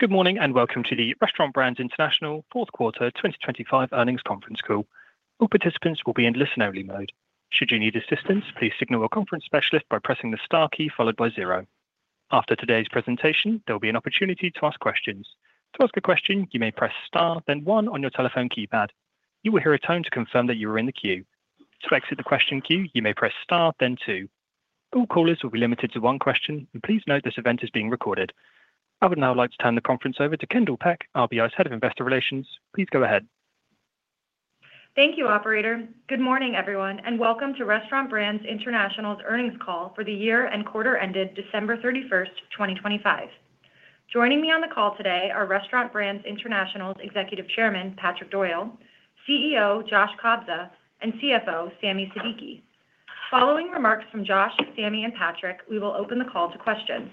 Good morning, and welcome to the Restaurant Brands International Fourth Quarter 2025 Earnings Conference Call. All participants will be in listen-only mode. Should you need assistance, please signal your conference specialist by pressing the star key followed by 0. After today's presentation, there will be an opportunity to ask questions. To ask a question, you may press star, then 1 on your telephone keypad. You will hear a tone to confirm that you are in the queue. To exit the question queue, you may press star, then 2. All callers will be limited to one question, and please note this event is being recorded. I would now like to turn the conference over to Kendall Peck, RBI's Head of Investor Relations. Please go ahead. Thank you, operator. Good morning, everyone, and welcome to Restaurant Brands International's earnings call for the year and quarter ended December 31, 2025. Joining me on the call today are Restaurant Brands International's Executive Chairman, Patrick Doyle, CEO, Josh Kobza, and CFO, Sami Siddiqui. Following remarks from Josh, Sami, and Patrick, we will open the call to questions.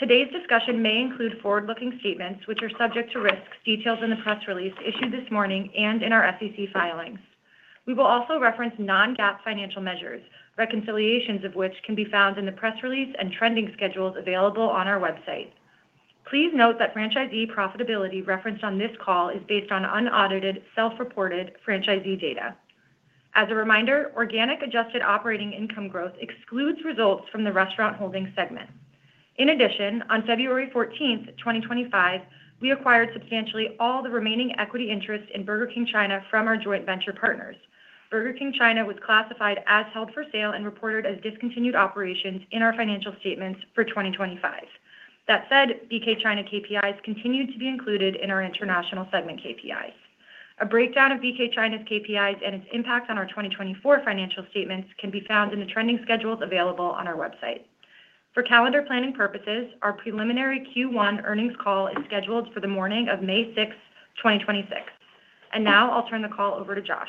Today's discussion may include forward-looking statements, which are subject to risks detailed in the press release issued this morning and in our SEC filings. We will also reference non-GAAP financial measures, reconciliations of which can be found in the press release and trending schedules available on our website. Please note that franchisee profitability referenced on this call is based on unaudited, self-reported franchisee data. As a reminder, organic adjusted operating income growth excludes results from the Restaurant Holdings segment. In addition, on February 14, 2025, we acquired substantially all the remaining equity interest in Burger King China from our joint venture partners. Burger King China was classified as held for sale and reported as discontinued operations in our financial statements for 2025. That said, BK China KPIs continued to be included in our international segment KPIs. A breakdown of BK China's KPIs and its impact on our 2024 financial statements can be found in the trending schedules available on our website. For calendar planning purposes, our preliminary Q1 earnings call is scheduled for the morning of May 6, 2026. And now I'll turn the call over to Josh.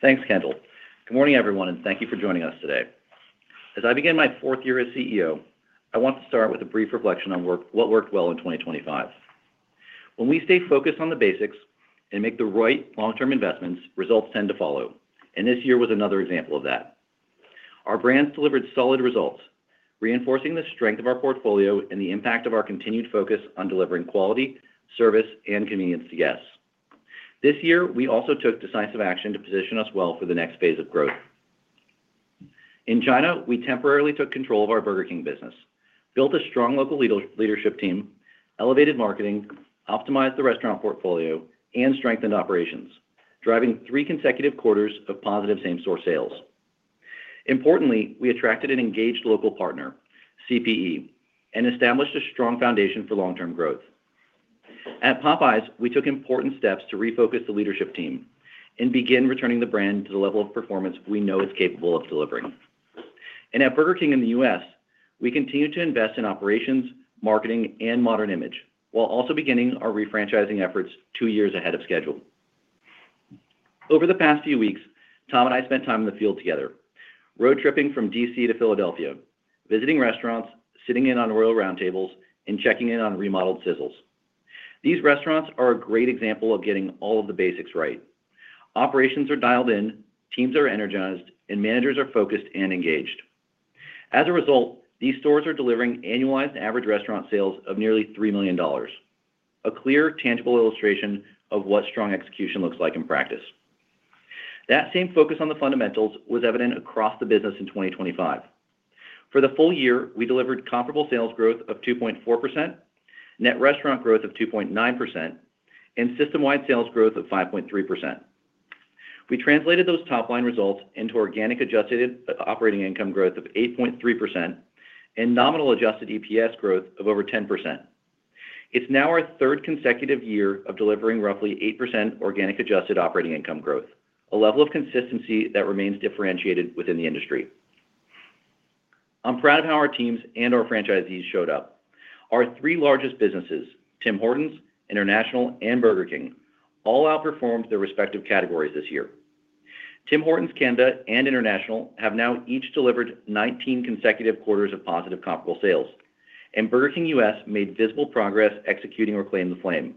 Thanks, Kendall. Good morning, everyone, and thank you for joining us today. As I begin my fourth year as CEO, I want to start with a brief reflection on what worked well in 2025. When we stay focused on the basics and make the right long-term investments, results tend to follow, and this year was another example of that. Our brands delivered solid results, reinforcing the strength of our portfolio and the impact of our continued focus on delivering quality, service, and convenience to guests. This year, we also took decisive action to position us well for the next phase of growth. In China, we temporarily took control of our Burger King business, built a strong local leadership team, elevated marketing, optimized the restaurant portfolio, and strengthened operations, driving three consecutive quarters of positive same-store sales. Importantly, we attracted an engaged local partner, CPE, and established a strong foundation for long-term growth. At Popeyes, we took important steps to refocus the leadership team and begin returning the brand to the level of performance we know it's capable of delivering. At Burger King in the U.S., we continue to invest in operations, marketing, and Modern Image, while also beginning our refranchising efforts two years ahead of schedule. Over the past few weeks, Tom and I spent time in the field together, road tripping from D.C. to Philadelphia, visiting restaurants, sitting in on Royal Roundtables, and checking in on remodeled Sizzles. These restaurants are a great example of getting all of the basics right. Operations are dialed in, teams are energized, and managers are focused and engaged. As a result, these stores are delivering annualized average restaurant sales of nearly $3 million, a clear, tangible illustration of what strong execution looks like in practice. That same focus on the fundamentals was evident across the business in 2025. For the full year, we delivered comparable sales growth of 2.4%, net restaurant growth of 2.9%, and system-wide sales growth of 5.3%. We translated those top-line results into organic adjusted operating income growth of 8.3% and nominal Adjusted EPS growth of over 10%. It's now our third consecutive year of delivering roughly 8% organic adjusted operating income growth, a level of consistency that remains differentiated within the industry. I'm proud of how our teams and our franchisees showed up. Our three largest businesses, Tim Hortons, International, and Burger King, all outperformed their respective categories this year. Tim Hortons Canada and International have now each delivered 19 consecutive quarters of positive comparable sales, and Burger King US made visible progress executing Reclaim the Flame.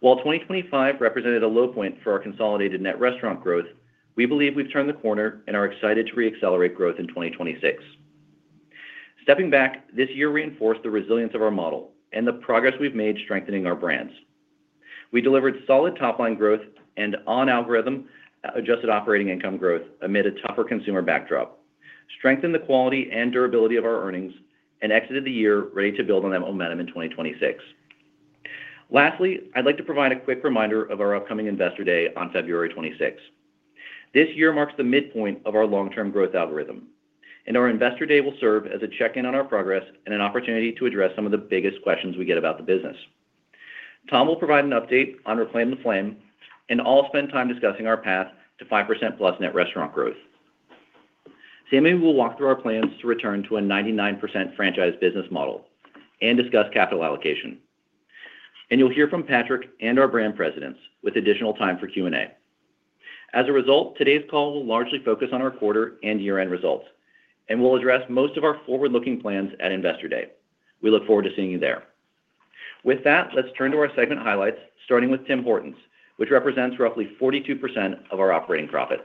While 2025 represented a low point for our consolidated net restaurant growth, we believe we've turned the corner and are excited to re-accelerate growth in 2026. Stepping back, this year reinforced the resilience of our model and the progress we've made strengthening our brands. We delivered solid top-line growth and on-algorithm adjusted operating income growth amid a tougher consumer backdrop, strengthened the quality and durability of our earnings, and exited the year ready to build on that momentum in 2026. Lastly, I'd like to provide a quick reminder of our upcoming Investor Day on February 26. This year marks the midpoint of our long-term growth algorithm, and our Investor Day will serve as a check-in on our progress and an opportunity to address some of the biggest questions we get about the business. Tom will provide an update on Reclaim the Flame, and I'll spend time discussing our path to 5%+ net restaurant growth. Sami will walk through our plans to return to a 99% franchise business model and discuss capital allocation. And you'll hear from Patrick and our brand presidents with additional time for Q&A. As a result, today's call will largely focus on our quarter and year-end results, and we'll address most of our forward-looking plans at Investor Day. We look forward to seeing you there. With that, let's turn to our segment highlights, starting with Tim Hortons, which represents roughly 42% of our operating profit....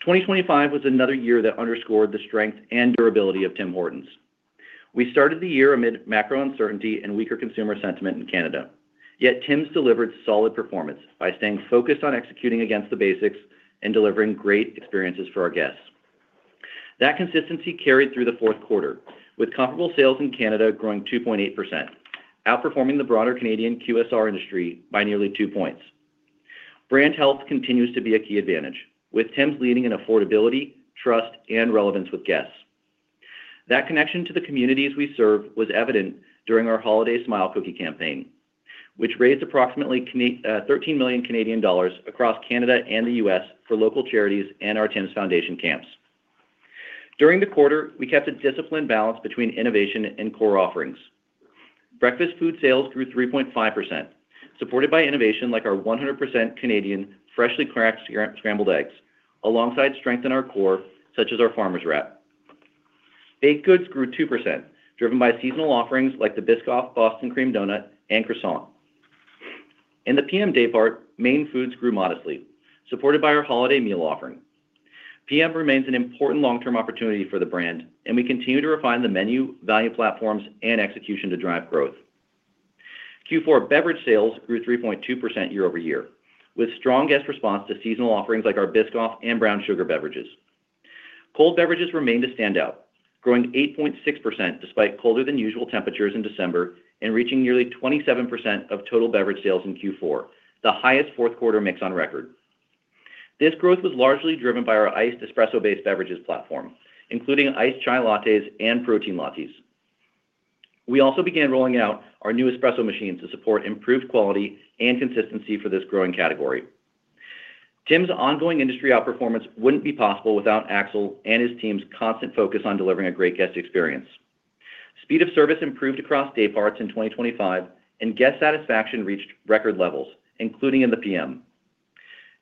2025 was another year that underscored the strength and durability of Tim Hortons. We started the year amid macro uncertainty and weaker consumer sentiment in Canada. Yet Tims delivered solid performance by staying focused on executing against the basics and delivering great experiences for our guests. That consistency carried through the fourth quarter, with comparable sales in Canada growing 2.8%, outperforming the broader Canadian QSR industry by nearly 2 points. Brand health continues to be a key advantage, with Tims leading in affordability, trust, and relevance with guests. That connection to the communities we serve was evident during our Holiday Smile Cookie campaign, which raised approximately 13 million Canadian dollars across Canada and the US for local charities and our Tims Foundation camps. During the quarter, we kept a disciplined balance between innovation and core offerings. Breakfast food sales grew 3.5%, supported by innovation like our 100% Canadian freshly cracked scrambled eggs, alongside strength in our core, such as our Farmer's Wrap. Baked goods grew 2%, driven by seasonal offerings like the Biscoff Boston Cream Donut and Croissant. In the PM day part, main foods grew modestly, supported by our holiday meal offering. PM remains an important long-term opportunity for the brand, and we continue to refine the menu, value platforms, and execution to drive growth. Q4 beverage sales grew 3.2% year-over-year, with strong guest response to seasonal offerings like our Biscoff and Brown Sugar beverages. Cold beverages remained a standout, growing 8.6% despite colder than usual temperatures in December and reaching nearly 27% of total beverage sales in Q4, the highest fourth quarter mix on record. This growth was largely driven by our iced espresso-based beverages platform, including iced chai lattes and protein lattes. We also began rolling out our new espresso machines to support improved quality and consistency for this growing category. Tims ongoing industry outperformance wouldn't be possible without Axel and his team's constant focus on delivering a great guest experience. Speed of service improved across day parts in 2025, and guest satisfaction reached record levels, including in the P.M.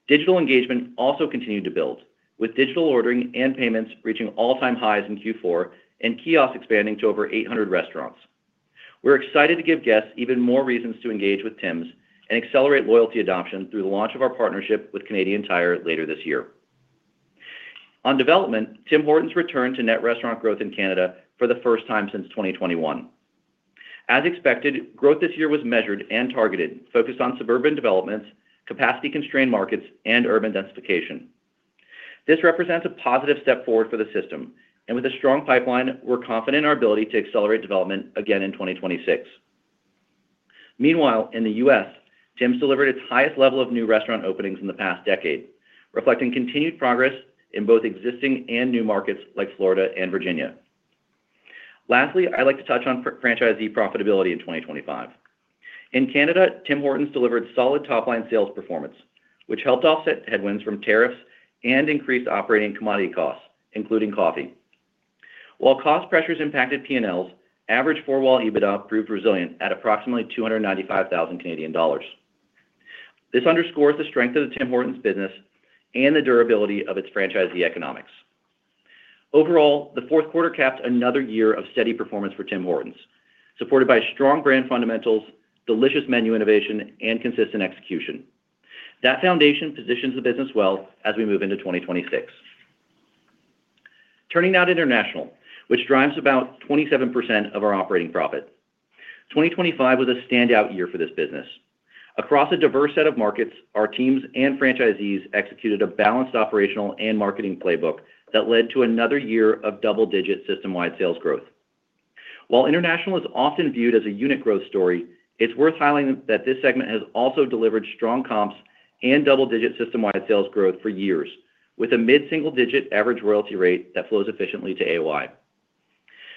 Digital engagement also continued to build, with digital ordering and payments reaching all-time highs in Q4 and kiosks expanding to over 800 restaurants. We're excited to give guests even more reasons to engage with Tims and accelerate loyalty adoption through the launch of our partnership with Canadian Tire later this year. On development, Tim Hortons returned to net restaurant growth in Canada for the first time since 2021. As expected, growth this year was measured and targeted, focused on suburban developments, capacity-constrained markets, and urban densification. This represents a positive step forward for the system, and with a strong pipeline, we're confident in our ability to accelerate development again in 2026. Meanwhile, in the US, Tims delivered its highest level of new restaurant openings in the past decade, reflecting continued progress in both existing and new markets like Florida and Virginia. Lastly, I'd like to touch on franchisee profitability in 2025. In Canada, Tim Hortons delivered solid top-line sales performance, which helped offset headwinds from tariffs and increased operating commodity costs, including coffee. While cost pressures impacted PNLs, average four-wall EBITDA proved resilient at approximately 295,000 Canadian dollars. This underscores the strength of the Tim Hortons business and the durability of its franchisee economics. Overall, the fourth quarter capped another year of steady performance for Tim Hortons, supported by strong brand fundamentals, delicious menu innovation, and consistent execution. That foundation positions the business well as we move into 2026. Turning now to international, which drives about 27% of our operating profit. 2025 was a standout year for this business. Across a diverse set of markets, our teams and franchisees executed a balanced operational and marketing playbook that led to another year of double-digit system-wide sales growth. While international is often viewed as a unit growth story, it's worth highlighting that this segment has also delivered strong comps and double-digit system-wide sales growth for years, with a mid-single-digit average royalty rate that flows efficiently to AOI.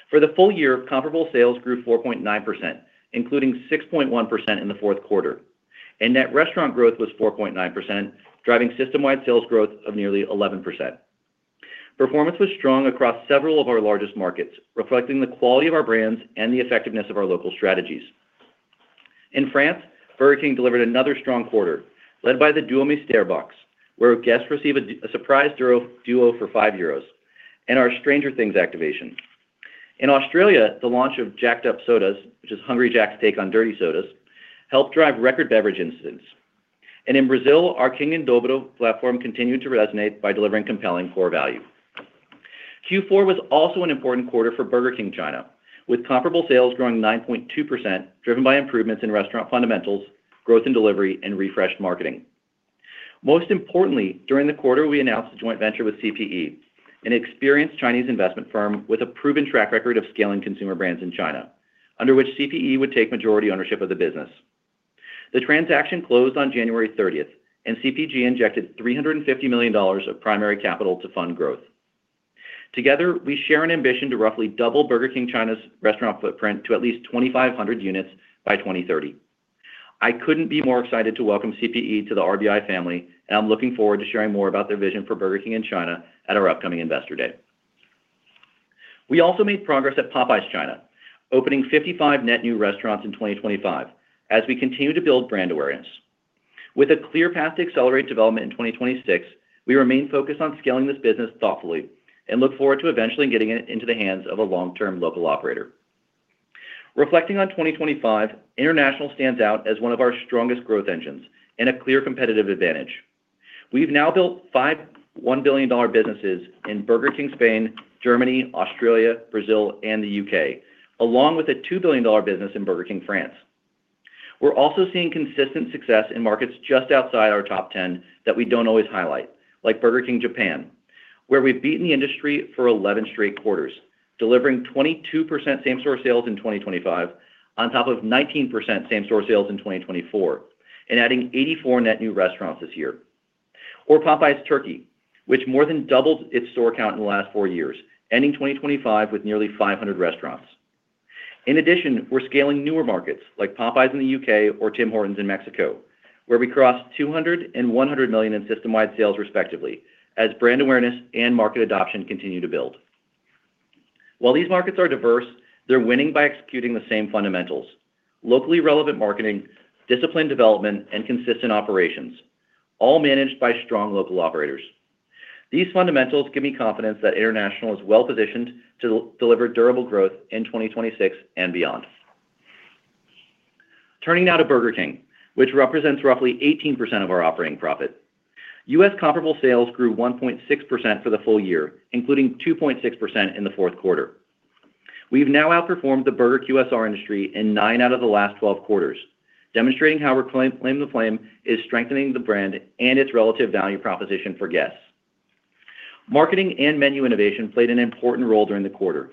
For the full year, comparable sales grew 4.9%, including 6.1% in the fourth quarter, and net restaurant growth was 4.9%, driving system-wide sales growth of nearly 11%. Performance was strong across several of our largest markets, reflecting the quality of our brands and the effectiveness of our local strategies. In France, Burger King delivered another strong quarter, led by the Duo Mystère Box, where guests receive a surprise duo for 5 euros, and our Stranger Things activation. In Australia, the launch of Jacked Up Sodas, which is Hungry Jack's take on dirty sodas, helped drive record beverage incidents. In Brazil, our King em Dobro platform continued to resonate by delivering compelling core value. Q4 was also an important quarter for Burger King China, with comparable sales growing 9.2%, driven by improvements in restaurant fundamentals, growth in delivery, and refreshed marketing. Most importantly, during the quarter, we announced a joint venture with CPE, an experienced Chinese investment firm with a proven track record of scaling consumer brands in China, under which CPE would take majority ownership of the business. The transaction closed on January 30th, and CPE injected $350 million of primary capital to fund growth. Together, we share an ambition to roughly double Burger King China's restaurant footprint to at least 2,500 units by 2030. I couldn't be more excited to welcome CPE to the RBI family, and I'm looking forward to sharing more about their vision for Burger King in China at our upcoming Investor Day. We also made progress at Popeyes China, opening 55 net new restaurants in 2025 as we continue to build brand awareness. With a clear path to accelerate development in 2026, we remain focused on scaling this business thoughtfully and look forward to eventually getting it into the hands of a long-term local operator.... Reflecting on 2025, international stands out as one of our strongest growth engines and a clear competitive advantage. We've now built five $1 billion businesses in Burger King Spain, Germany, Australia, Brazil, and the UK, along with a $2 billion business in Burger King France. We're also seeing consistent success in markets just outside our top ten that we don't always highlight, like Burger King Japan, where we've beaten the industry for 11 straight quarters, delivering 22% same-store sales in 2025, on top of 19% same-store sales in 2024, and adding 84 net new restaurants this year. Or Popeyes Turkey, which more than doubled its store count in the last 4 years, ending 2025 with nearly 500 restaurants. In addition, we're scaling newer markets like Popeyes in the UK or Tim Hortons in Mexico, where we crossed $200 million and $100 million in system-wide sales, respectively, as brand awareness and market adoption continue to build. While these markets are diverse, they're winning by executing the same fundamentals: locally relevant marketing, discipline development, and consistent operations, all managed by strong local operators. These fundamentals give me confidence that international is well-positioned to deliver durable growth in 2026 and beyond. Turning now to Burger King, which represents roughly 18% of our operating profit. U.S. comparable sales grew 1.6% for the full year, including 2.6% in the fourth quarter. We've now outperformed the burger QSR industry in 9 out of the last 12 quarters, demonstrating how Reclaim the Flame is strengthening the brand and its relative value proposition for guests. Marketing and menu innovation played an important role during the quarter.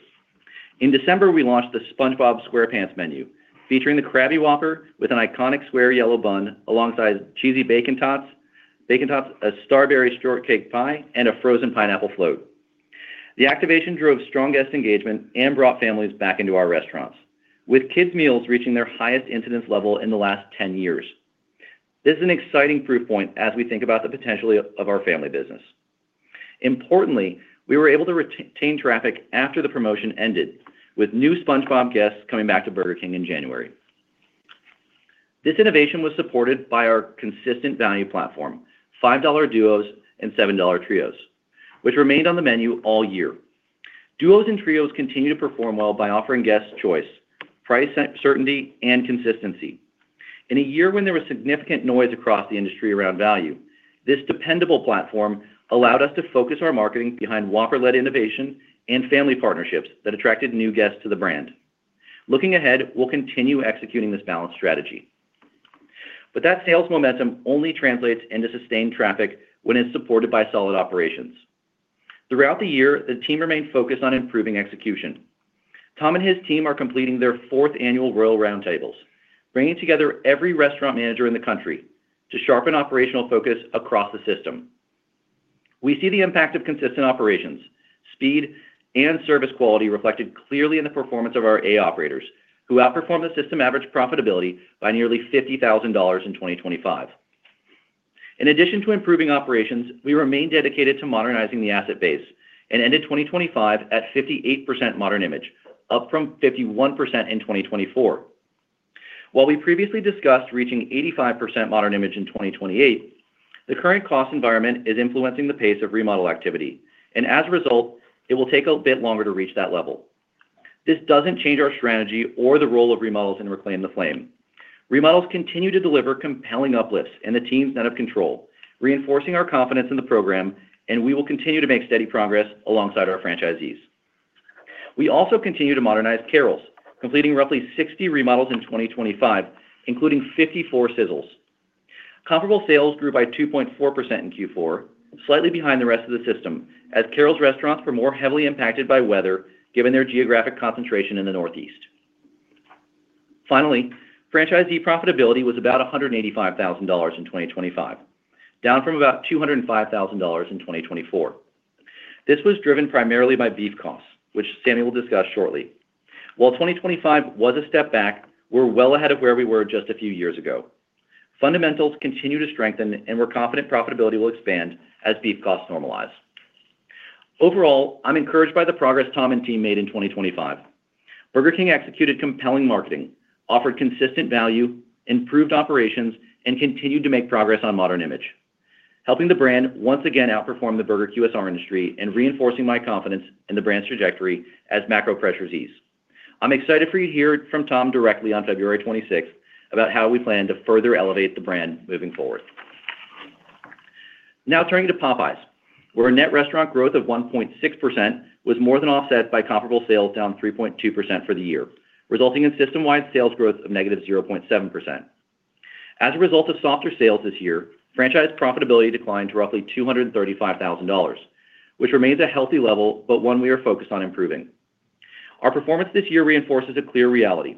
In December, we launched the SpongeBob SquarePants menu, featuring the Krabby Whopper with an iconic square yellow bun, alongside Cheesy Bacon Tots, bacon tots, a Strawberry Shortcake Pie, and Alex Santoro. The activation drove strong guest engagement and brought families back into our restaurants, with kids' meals reaching their highest incidence level in the last 10 years. This is an exciting proof point as we think about the potential of our family business. Importantly, we were able to retain traffic after the promotion ended, with new SpongeBob guests coming back to Burger King in January. This innovation was supported by our consistent value platform, $5 Duos and $7 Trios, which remained on the menu all year. Duos and Trios continue to perform well by offering guests choice, price certainty, and consistency. In a year when there was significant noise across the industry around value, this dependable platform allowed us to focus our marketing behind Whopper-led innovation and family partnerships that attracted new guests to the brand. Looking ahead, we'll continue executing this balanced strategy. But that sales momentum only translates into sustained traffic when it's supported by solid operations. Throughout the year, the team remained focused on improving execution. Tom and his team are completing their fourth annual Royal Roundtables, bringing together every restaurant manager in the country to sharpen operational focus across the system. We see the impact of consistent operations, speed, and service quality reflected clearly in the performance of our A operators, who outperformed the system average profitability by nearly $50,000 in 2025. In addition to improving operations, we remain dedicated to modernizing the asset base and ended 2025 at 58% Modern Image, up from 51% in 2024. While we previously discussed reaching 85% Modern Image in 2028, the current cost environment is influencing the pace of remodel activity, and as a result, it will take a bit longer to reach that level. This doesn't change our strategy or the role of remodels in Reclaim the Flame. Remodels continue to deliver compelling uplifts, and the teams then have control, reinforcing our confidence in the program, and we will continue to make steady progress alongside our franchisees. We also continue to modernize Carrols, completing roughly 60 remodels in 2025, including 54 Sizzles. Comparable Sales grew by 2.4% in Q4, slightly behind the rest of the system, as Carrols restaurants were more heavily impacted by weather, given their geographic concentration in the Northeast. Finally, franchisee profitability was about $185,000 in 2025, down from about $205,000 in 2024. This was driven primarily by beef costs, which Sami will discuss shortly. While 2025 was a step back, we're well ahead of where we were just a few years ago. Fundamentals continue to strengthen, and we're confident profitability will expand as beef costs normalize. Overall, I'm encouraged by the progress Tom and team made in 2025. Burger King executed compelling marketing, offered consistent value, improved operations, and continued to make progress on Modern Image, helping the brand once again outperform the Burger QSR industry and reinforcing my confidence in the brand's trajectory as macro pressures ease. I'm excited for you to hear from Tom directly on February 26th about how we plan to further elevate the brand moving forward. Now, turning to Popeyes, where a net restaurant growth of 1.6% was more than offset by comparable sales, down 3.2% for the year, resulting in system-wide sales growth of -0.7%. As a result of softer sales this year, franchise profitability declined to roughly $235,000, which remains a healthy level, but one we are focused on improving. Our performance this year reinforces a clear reality.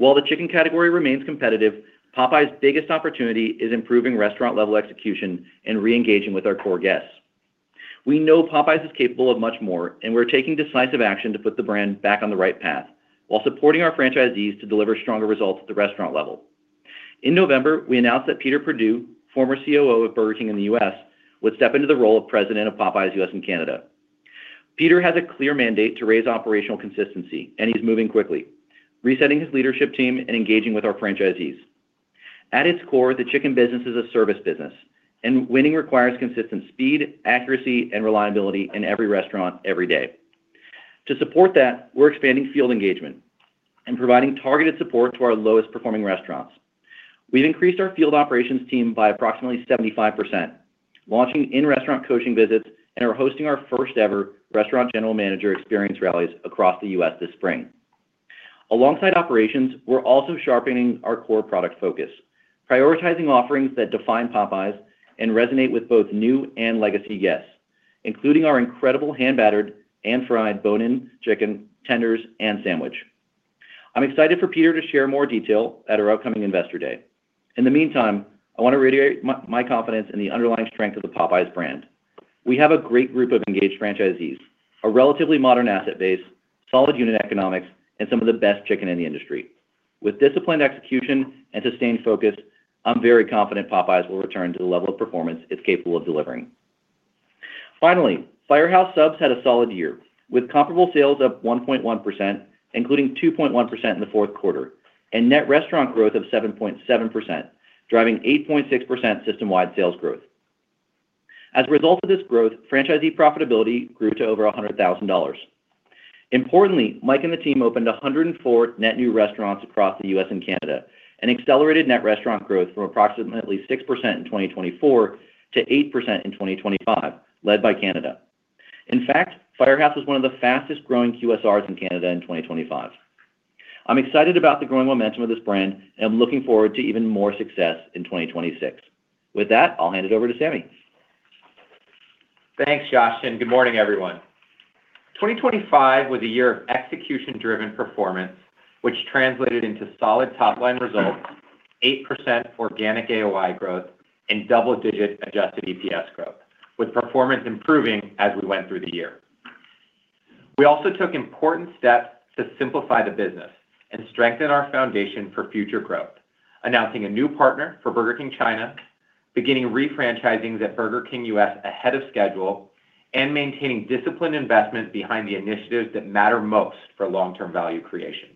While the chicken category remains competitive, Popeyes' biggest opportunity is improving restaurant-level execution and re-engaging with our core guests. We know Popeyes is capable of much more, and we're taking decisive action to put the brand back on the right path, while supporting our franchisees to deliver stronger results at the restaurant level. In November, we announced that Peter Perdue, former COO of Burger King in the U.S., would step into the role of president of Popeyes U.S. and Canada. Peter has a clear mandate to raise operational consistency, and he's moving quickly, resetting his leadership team and engaging with our franchisees... At its core, the chicken business is a service business, and winning requires consistent speed, accuracy, and reliability in every restaurant, every day. To support that, we're expanding field engagement and providing targeted support to our lowest performing restaurants. We've increased our field operations team by approximately 75%, launching in-restaurant coaching visits, and are hosting our first-ever Restaurant General Manager Experience Rallies across the U.S. this spring. Alongside operations, we're also sharpening our core product focus, prioritizing offerings that define Popeyes and resonate with both new and legacy guests, including our incredible hand-battered and fried bone-in chicken tenders and sandwich. I'm excited for Peter to share more detail at our upcoming Investor Day. In the meantime, I want to reiterate my confidence in the underlying strength of the Popeyes brand. We have a great group of engaged franchisees, a relatively modern asset base, solid unit economics, and some of the best chicken in the industry. With disciplined execution and sustained focus, I'm very confident Popeyes will return to the level of performance it's capable of delivering. Finally, Firehouse Subs had a solid year, with comparable sales up 1.1%, including 2.1% in the fourth quarter, and net restaurant growth of 7.7%, driving 8.6% system-wide sales growth. As a result of this growth, franchisee profitability grew to over $100,000. Importantly, Mike and the team opened 104 net new restaurants across the U.S. and Canada, and accelerated net restaurant growth from approximately 6% in 2024 to 8% in 2025, led by Canada. In fact, Firehouse was one of the fastest growing QSRs in Canada in 2025. I'm excited about the growing momentum of this brand and looking forward to even more success in 2026. With that, I'll hand it over to Sami. Thanks, Josh, and good morning, everyone. 2025 was a year of execution-driven performance, which translated into solid top-line results, 8% organic AOI growth, and double-digit Adjusted EPS growth, with performance improving as we went through the year. We also took important steps to simplify the business and strengthen our foundation for future growth, announcing a new partner for Burger King China, beginning refranchising at Burger King US ahead of schedule, and maintaining disciplined investment behind the initiatives that matter most for long-term value creation.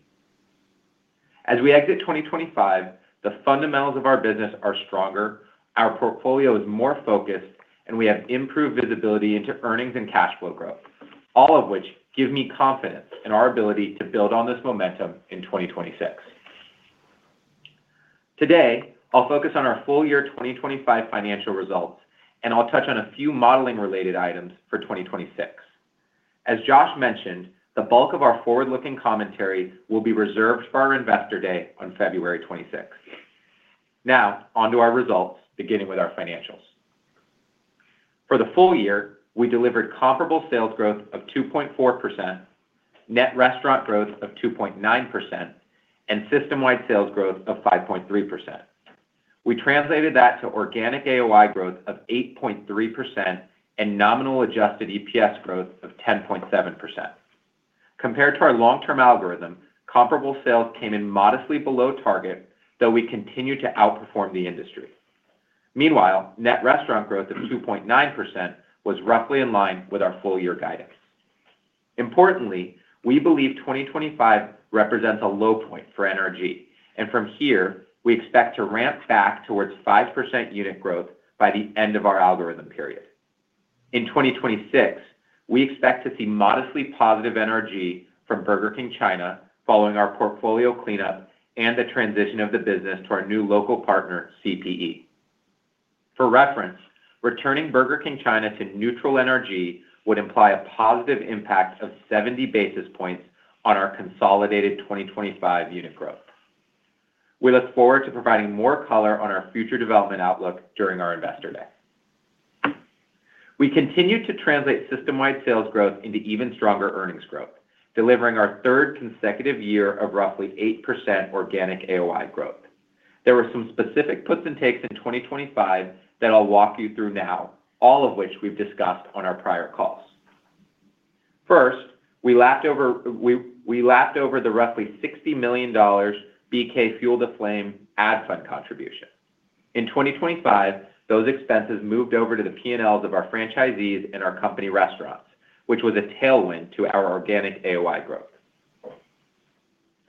As we exit 2025, the fundamentals of our business are stronger, our portfolio is more focused, and we have improved visibility into earnings and cash flow growth, all of which give me confidence in our ability to build on this momentum in 2026. Today, I'll focus on our full year 2025 financial results, and I'll touch on a few modeling-related items for 2026. As Josh mentioned, the bulk of our forward-looking commentary will be reserved for our Investor Day on February 26th. Now, onto our results, beginning with our financials. For the full year, we delivered comparable sales growth of 2.4%, net restaurant growth of 2.9%, and system-wide sales growth of 5.3%. We translated that to organic AOI growth of 8.3% and nominal Adjusted EPS growth of 10.7%. Compared to our long-term algorithm, comparable sales came in modestly below target, though we continued to outperform the industry. Meanwhile, net restaurant growth of 2.9% was roughly in line with our full year guidance. Importantly, we believe 2025 represents a low point for NRG, and from here, we expect to ramp back towards 5% unit growth by the end of our algorithm period. In 2026, we expect to see modestly positive NRG from Burger King China following our portfolio cleanup and the transition of the business to our new local partner, CPE. For reference, returning Burger King China to neutral NRG would imply a positive impact of 70 basis points on our consolidated 2025 unit growth. We look forward to providing more color on our future development outlook during our Investor Day. We continue to translate system-wide sales growth into even stronger earnings growth, delivering our third consecutive year of roughly 8% organic AOI growth. There were some specific puts and takes in 2025 that I'll walk you through now, all of which we've discussed on our prior calls. First, we lapped over the roughly $60 million BK Reclaim the Flame ad fund contribution. In 2025, those expenses moved over to the P&Ls of our franchisees and our company restaurants, which was a tailwind to our organic AOI growth.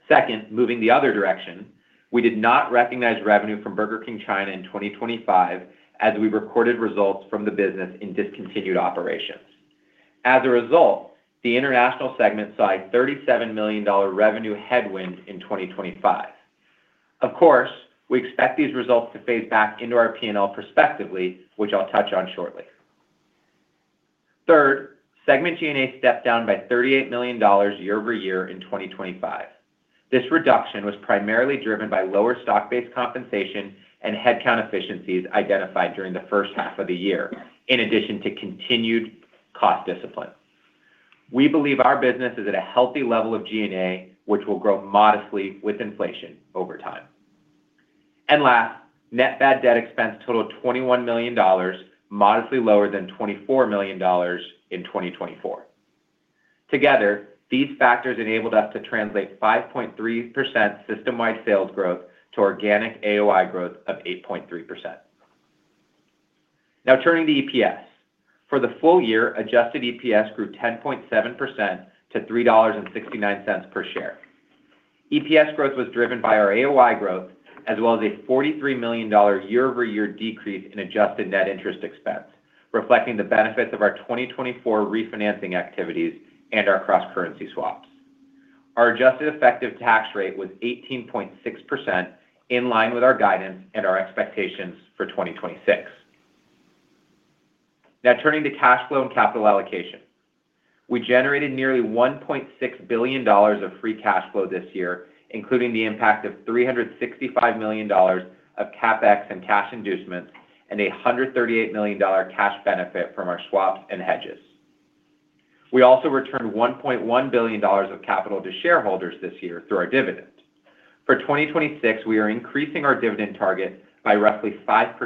Second, moving the other direction, we did not recognize revenue from Burger King China in 2025 as we recorded results from the business in discontinued operations. As a result, the international segment saw a $37 million revenue headwind in 2025. Of course, we expect these results to phase back into our P&L prospectively, which I'll touch on shortly. Third, segment G&A stepped down by $38 million year-over-year in 2025. This reduction was primarily driven by lower stock-based compensation and headcount efficiencies identified during the first half of the year, in addition to continued cost discipline. We believe our business is at a healthy level of G&A, which will grow modestly with inflation over time. Last, net bad debt expense totaled $21 million, modestly lower than $24 million in 2024. Together, these factors enabled us to translate 5.3% system-wide sales growth to organic AOI growth of 8.3%. Now turning to EPS. For the full year, Adjusted EPS grew 10.7% to $3.69 per share. EPS growth was driven by our AOI growth, as well as a $43 million year-over-year decrease in adjusted net interest expense, reflecting the benefits of our 2024 refinancing activities and our cross-currency swaps. Our adjusted effective tax rate was 18.6%, in line with our guidance and our expectations for 2026. Now, turning to cash flow and capital allocation. We generated nearly $1.6 billion of free cash flow this year, including the impact of $365 million of CapEx and cash inducements, and a $138 million cash benefit from our swaps and hedges. We also returned $1.1 billion of capital to shareholders this year through our dividend. For 2026, we are increasing our dividend target by roughly 5%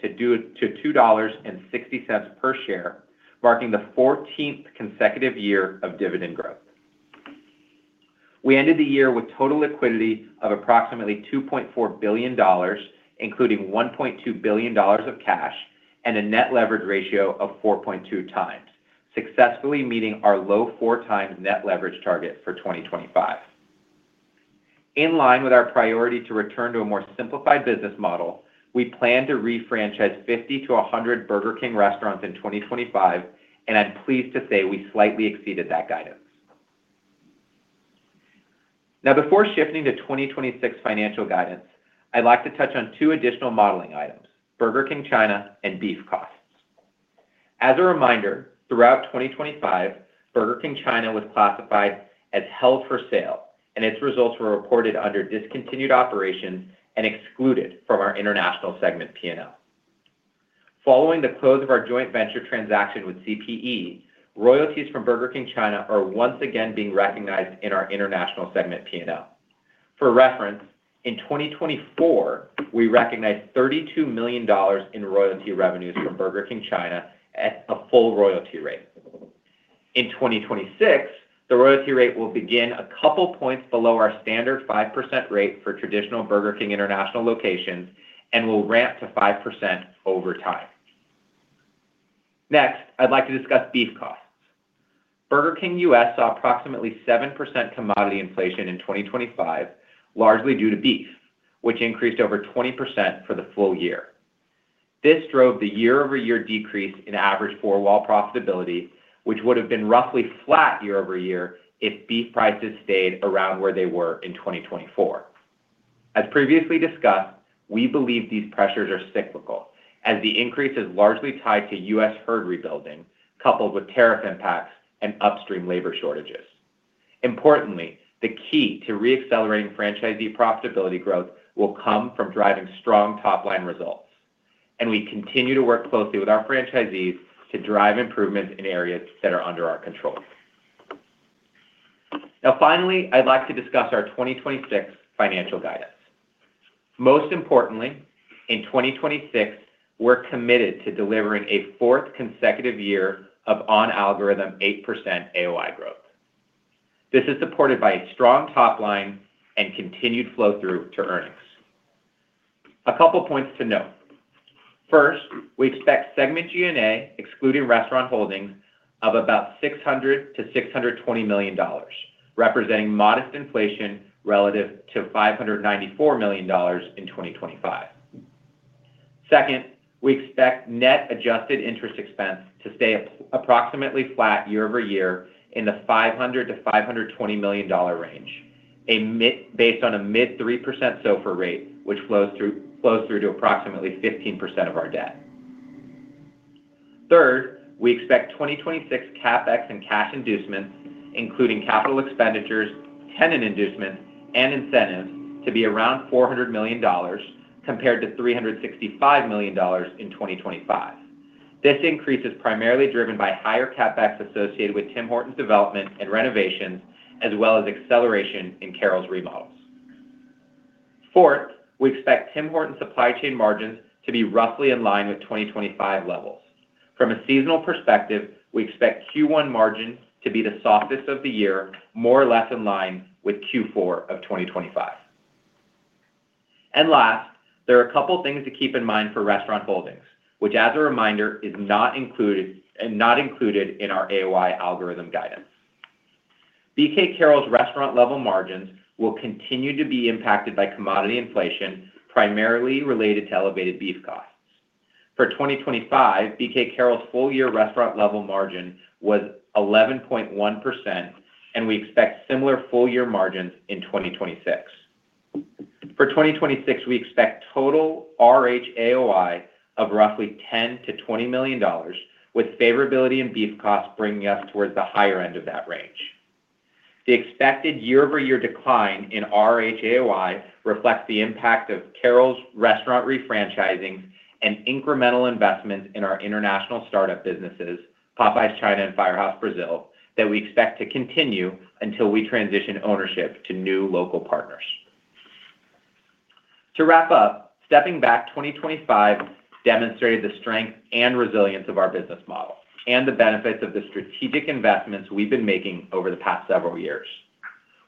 to $2.60 per share, marking the 14th consecutive year of dividend growth. We ended the year with total liquidity of approximately $2.4 billion, including $1.2 billion of cash, and a net leverage ratio of 4.2x, successfully meeting our low 4x net leverage target for 2025. In line with our priority to return to a more simplified business model, we plan to refranchise 50-100 Burger King restaurants in 2025, and I'm pleased to say we slightly exceeded that guidance. Now, before shifting to 2026 financial guidance, I'd like to touch on two additional modeling items: Burger King China and beef costs. As a reminder, throughout 2025, Burger King China was classified as held for sale, and its results were reported under discontinued operations and excluded from our international segment P&L. Following the close of our joint venture transaction with CPE, royalties from Burger King China are once again being recognized in our international segment P&L. For reference, in 2024, we recognized $32 million in royalty revenues from Burger King China at a full royalty rate. In 2026, the royalty rate will begin a couple points below our standard 5% rate for traditional Burger King international locations and will ramp to 5% over time. Next, I'd like to discuss beef costs. Burger King US saw approximately 7% commodity inflation in 2025, largely due to beef, which increased over 20% for the full year. This drove the year-over-year decrease in average four-wall profitability, which would have been roughly flat year-over-year if beef prices stayed around where they were in 2024. As previously discussed, we believe these pressures are cyclical, as the increase is largely tied to U.S. herd rebuilding, coupled with tariff impacts and upstream labor shortages. Importantly, the key to reaccelerating franchisee profitability growth will come from driving strong top-line results, and we continue to work closely with our franchisees to drive improvements in areas that are under our control. Now, finally, I'd like to discuss our 2026 financial guidance. Most importantly, in 2026, we're committed to delivering a fourth consecutive year of on-algorithm 8% AOI growth. This is supported by a strong top line and continued flow-through to earnings. A couple points to note. First, we expect segment G&A, excluding Restaurant Holdings, of about $600 million-$620 million, representing modest inflation relative to $594 million in 2025. Second, we expect net adjusted interest expense to stay approximately flat year-over-year in the $500 million-$520 million range, based on a mid-3% SOFR rate, which flows through to approximately 15% of our debt. Third, we expect 2026 CapEx and cash inducements, including capital expenditures, tenant inducements, and incentives, to be around $400 million, compared to $365 million in 2025. This increase is primarily driven by higher CapEx associated with Tim Hortons development and renovations, as well as acceleration in Carrols' remodels. Fourth, we expect Tim Hortons supply chain margins to be roughly in line with 2025 levels. From a seasonal perspective, we expect Q1 margins to be the softest of the year, more or less in line with Q4 of 2025. Last, there are a couple of things to keep in mind for Restaurant Holdings, which, as a reminder, is not included in our AOI guidance. Carrols restaurant-level margins will continue to be impacted by commodity inflation, primarily related to elevated beef costs. For 2025, Carrols full-year restaurant-level margin was 11.1%, and we expect similar full-year margins in 2026. For 2026, we expect total RH AOI of roughly $10 million-$20 million, with favorability in beef costs bringing us towards the higher end of that range. The expected year-over-year decline in RH AOI reflects the impact of Carrols restaurant refranchising and incremental investments in our international startup businesses, Popeyes China and Firehouse Brazil, that we expect to continue until we transition ownership to new local partners. To wrap up, stepping back, 2025 demonstrated the strength and resilience of our business model and the benefits of the strategic investments we've been making over the past several years.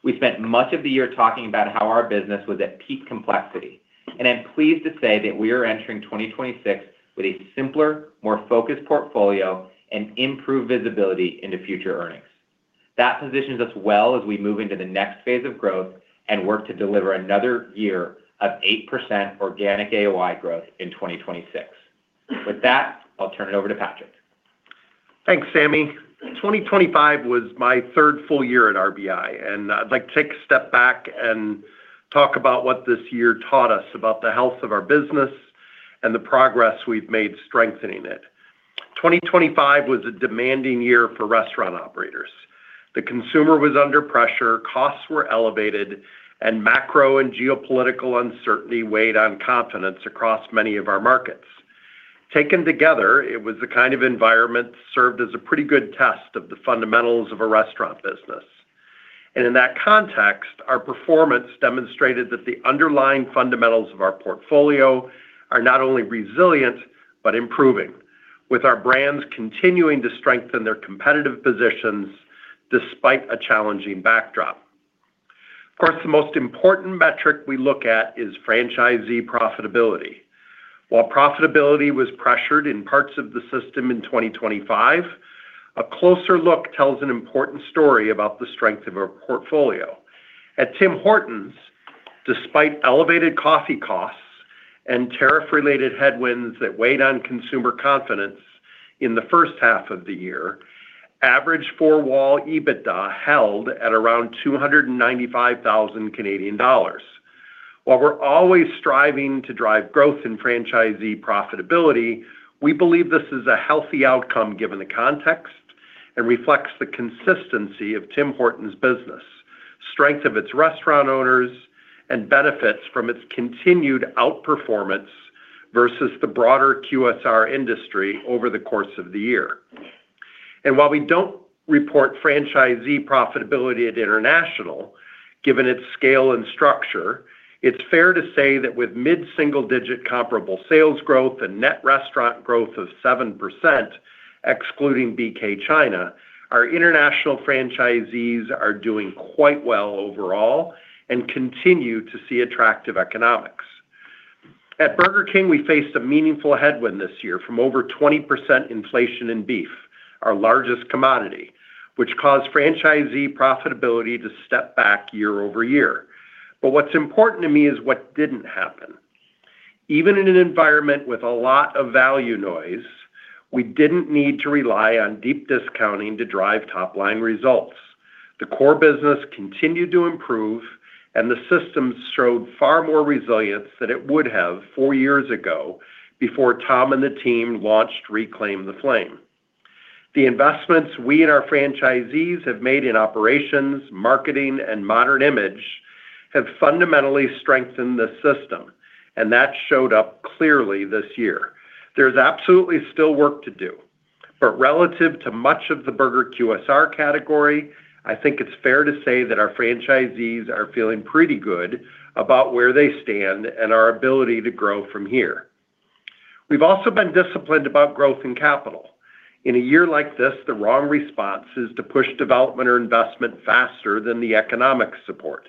We spent much of the year talking about how our business was at peak complexity, and I'm pleased to say that we are entering 2026 with a simpler, more focused portfolio and improved visibility into future earnings. That positions us well as we move into the next phase of growth and work to deliver another year of 8% organic AOI growth in 2026. With that, I'll turn it over to Patrick. Thanks, Sami. 2025 was my third full year at RBI, and I'd like to take a step back and talk about what this year taught us about the health of our business and the progress we've made strengthening it. 2025 was a demanding year for restaurant operators. The consumer was under pressure, costs were elevated, and macro and geopolitical uncertainty weighed on confidence across many of our markets. Taken together, it was the kind of environment served as a pretty good test of the fundamentals of a restaurant business. And in that context, our performance demonstrated that the underlying fundamentals of our portfolio are not only resilient, but improving, with our brands continuing to strengthen their competitive positions despite a challenging backdrop. Of course, the most important metric we look at is franchisee profitability. While profitability was pressured in parts of the system in 2025, a closer look tells an important story about the strength of our portfolio. At Tim Hortons, despite elevated coffee costs and tariff-related headwinds that weighed on consumer confidence in the first half of the year, average four-wall EBITDA held at around 295 thousand Canadian dollars. While we're always striving to drive growth in franchisee profitability, we believe this is a healthy outcome, given the context, and reflects the consistency of Tim Hortons' business, strength of its restaurant owners, and benefits from its continued outperformance versus the broader QSR industry over the course of the year. While we don't report franchisee profitability at international, given its scale and structure, it's fair to say that with mid-single-digit comparable sales growth and net restaurant growth of 7%, excluding BK China, our international franchisees are doing quite well overall and continue to see attractive economics. At Burger King, we faced a meaningful headwind this year from over 20% inflation in beef, our largest commodity, which caused franchisee profitability to step back year-over-year. What's important to me is what didn't happen. Even in an environment with a lot of value noise, we didn't need to rely on deep discounting to drive top-line results. The core business continued to improve, and the system showed far more resilience than it would have four years ago before Tom and the team launched Reclaim the Flame. The investments we and our franchisees have made in operations, marketing, and modern image have fundamentally strengthened the system, and that showed up clearly this year. There's absolutely still work to do, but relative to much of the burger QSR category, I think it's fair to say that our franchisees are feeling pretty good about where they stand and our ability to grow from here. We've also been disciplined about growth and capital. In a year like this, the wrong response is to push development or investment faster than the economic support.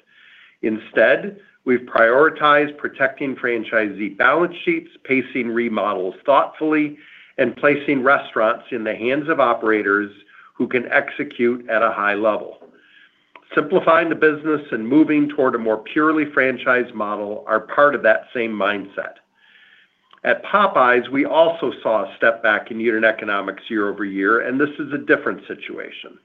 Instead, we've prioritized protecting franchisee balance sheets, pacing remodels thoughtfully, and placing restaurants in the hands of operators who can execute at a high level. Simplifying the business and moving toward a more purely franchised model are part of that same mindset. At Popeyes, we also saw a step back in unit economics year-over-year, and this is a different situation.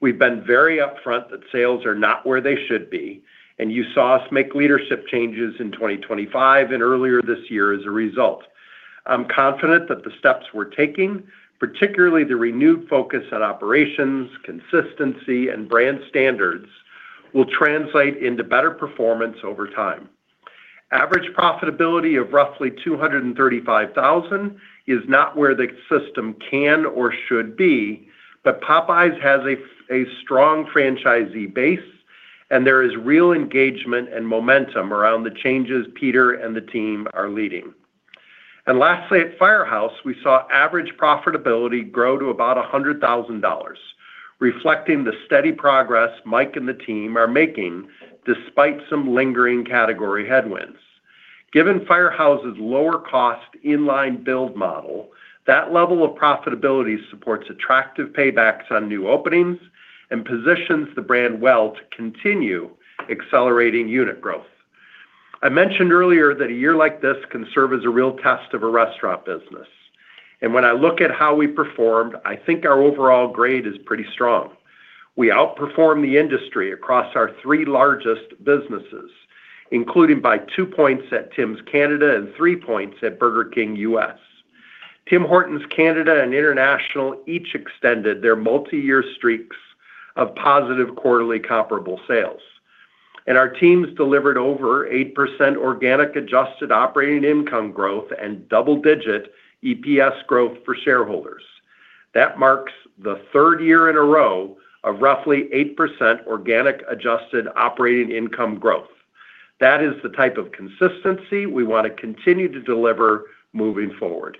We've been very upfront that sales are not where they should be, and you saw us make leadership changes in 2025 and earlier this year as a result. I'm confident that the steps we're taking, particularly the renewed focus on operations, consistency, and brand standards, will translate into better performance over time. Average profitability of roughly $235,000 is not where the system can or should be, but Popeyes has a strong franchisee base, and there is real engagement and momentum around the changes Peter and the team are leading. And lastly, at Firehouse, we saw average profitability grow to about $100,000, reflecting the steady progress Mike and the team are making despite some lingering category headwinds. Given Firehouse's lower cost in-line build model, that level of profitability supports attractive paybacks on new openings and positions the brand well to continue accelerating unit growth. I mentioned earlier that a year like this can serve as a real test of a restaurant business, and when I look at how we performed, I think our overall grade is pretty strong. We outperformed the industry across our three largest businesses, including by two points at Tims Canada and three points at Burger King US. Tim Hortons, Canada, and International each extended their multiyear streaks of positive quarterly comparable sales, and our teams delivered over 8% organic adjusted operating income growth and double-digit EPS growth for shareholders. That marks the third year in a row of roughly 8% organic adjusted operating income growth. That is the type of consistency we want to continue to deliver moving forward....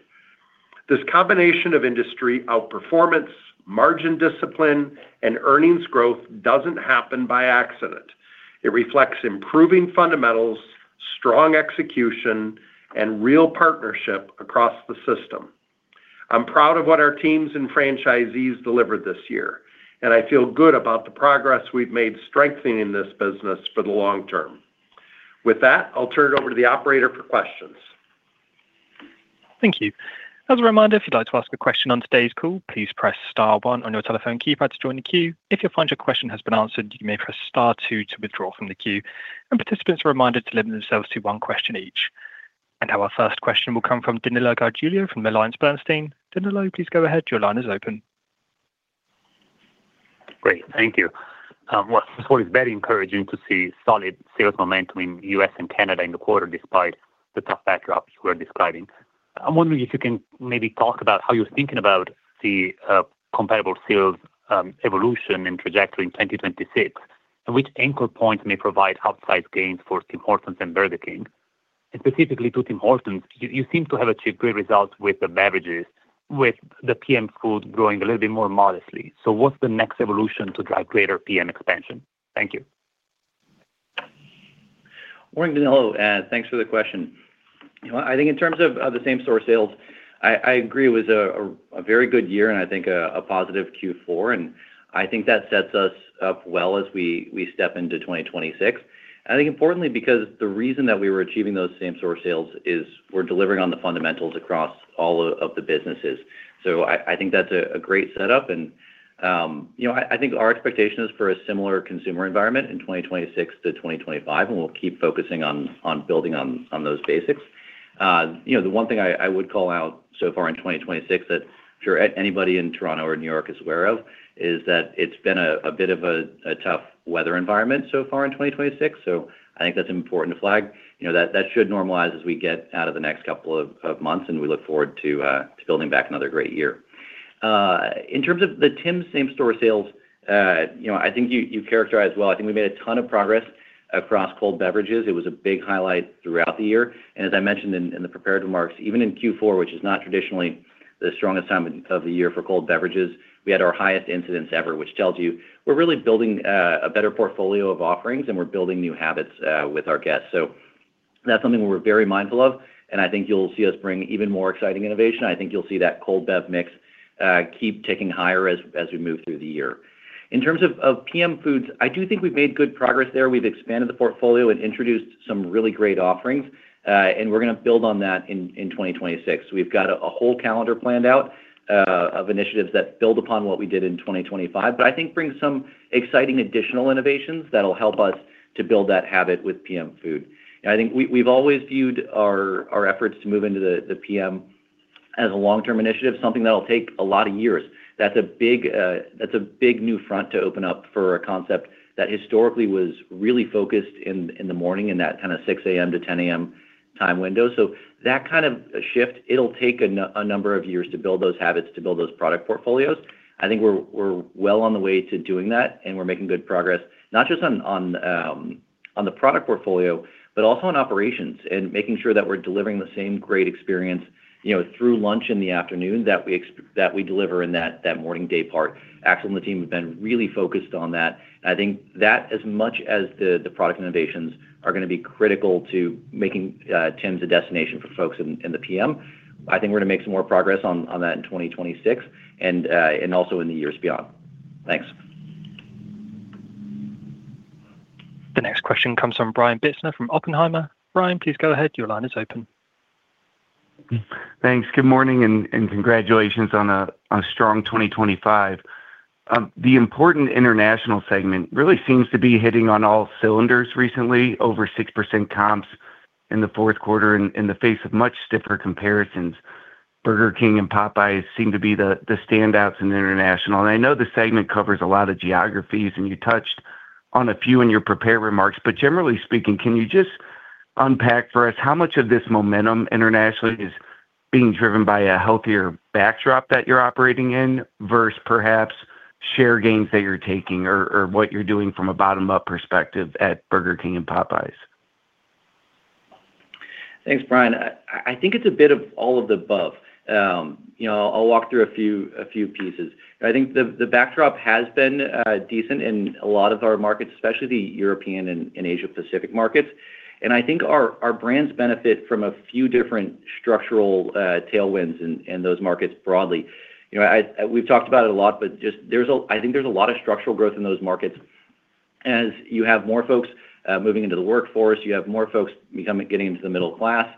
This combination of industry outperformance, margin discipline, and earnings growth doesn't happen by accident. It reflects improving fundamentals, strong execution, and real partnership across the system. I'm proud of what our teams and franchisees delivered this year, and I feel good about the progress we've made strengthening this business for the long term. With that, I'll turn it over to the operator for questions. Thank you. As a reminder, if you'd like to ask a question on today's call, please press star one on your telephone keypad to join the queue. If you find your question has been answered, you may press star two to withdraw from the queue, and participants are reminded to limit themselves to one question each. And now our first question will come from Danilo Gargiulo from AllianceBernstein. Danilo, please go ahead. Your line is open. Great, thank you. Well, it's very encouraging to see solid sales momentum in U.S. and Canada in the quarter, despite the tough backdrop you were describing. I'm wondering if you can maybe talk about how you're thinking about the, comparable sales, evolution and trajectory in 2026, and which anchor point may provide upside gains for Tim Hortons and Burger King? And specifically to Tim Hortons, you seem to have achieved great results with the beverages, with the PM food growing a little bit more modestly. So what's the next evolution to drive greater PM expansion? Thank you. Morning, Danilo, and thanks for the question. Well, I think in terms of the same-store sales, I agree it was a very good year and I think a positive Q4, and I think that sets us up well as we step into 2026. And I think importantly, because the reason that we were achieving those same-store sales is we're delivering on the fundamentals across all of the businesses. So I think that's a great setup. And, you know, I think our expectation is for a similar consumer environment in 2026 to 2025, and we'll keep focusing on building on those basics. You know, the one thing I would call out so far in 2026 that I'm sure anybody in Toronto or New York is aware of is that it's been a bit of a tough weather environment so far in 2026, so I think that's important to flag. You know, that should normalize as we get out of the next couple of months, and we look forward to building back another great year. In terms of the Tims same-store sales, you know, I think you characterized well. I think we made a ton of progress across cold beverages. It was a big highlight throughout the year. As I mentioned in the prepared remarks, even in Q4, which is not traditionally the strongest time of the year for cold beverages, we had our highest incidence ever, which tells you we're really building a better portfolio of offerings, and we're building new habits with our guests. So that's something we're very mindful of, and I think you'll see us bring even more exciting innovation. I think you'll see that cold bev mix keep ticking higher as we move through the year. In terms of PM foods, I do think we've made good progress there. We've expanded the portfolio and introduced some really great offerings, and we're gonna build on that in 2026. We've got a whole calendar planned out of initiatives that build upon what we did in 2025, but I think bring some exciting additional innovations that'll help us to build that habit with P.M. food. And I think we've always viewed our efforts to move into the P.M. as a long-term initiative, something that'll take a lot of years. That's a big, that's a big new front to open up for a concept that historically was really focused in the morning, in that kind of 6 A.M. to 10 A.M. time window. So that kind of shift, it'll take a number of years to build those habits, to build those product portfolios. I think we're well on the way to doing that, and we're making good progress, not just on the product portfolio, but also on operations and making sure that we're delivering the same great experience, you know, through lunch in the afternoon, that we deliver in that morning day part. Axel and the team have been really focused on that. I think that as much as the product innovations are gonna be critical to making Tims a destination for folks in the PM, I think we're gonna make some more progress on that in 2026 and also in the years beyond. Thanks. The next question comes from Brian Bittner from Oppenheimer. Brian, please go ahead. Your line is open. Thanks. Good morning, and congratulations on a strong 2025. The important international segment really seems to be hitting on all cylinders recently, over 6% comps in the fourth quarter in the face of much stiffer comparisons. Burger King and Popeyes seem to be the standouts in international, and I know the segment covers a lot of geographies, and you touched on a few in your prepared remarks. But generally speaking, can you just unpack for us how much of this momentum internationally is being driven by a healthier backdrop that you're operating in, versus perhaps share gains that you're taking or what you're doing from a bottom-up perspective at Burger King and Popeyes? Thanks, Brian. I think it's a bit of all of the above. You know, I'll walk through a few pieces. I think the backdrop has been decent in a lot of our markets, especially the European and Asia Pacific markets. And I think our brands benefit from a few different structural tailwinds in those markets broadly. You know, we've talked about it a lot, but just there's a lot of structural growth in those markets. As you have more folks moving into the workforce, you have more folks becoming, getting into the middle class,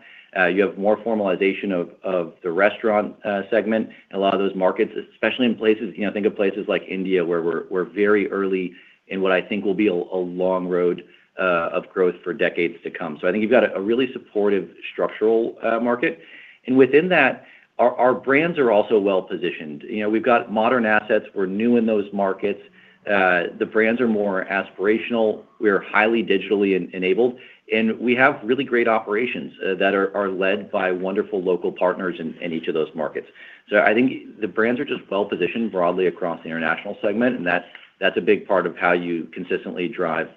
you have more formalization of the restaurant segment in a lot of those markets, especially in places, you know, think of places like India, where we're very early in what I think will be a long road of growth for decades to come. So I think you've got a really supportive structural market. And within that, our brands are also well positioned. You know, we've got modern assets. We're new in those markets. The brands are more aspirational, we are highly digitally enabled, and we have really great operations that are led by wonderful local partners in each of those markets. So I think the brands are just well positioned broadly across the international segment, and that's a big part of how you consistently drive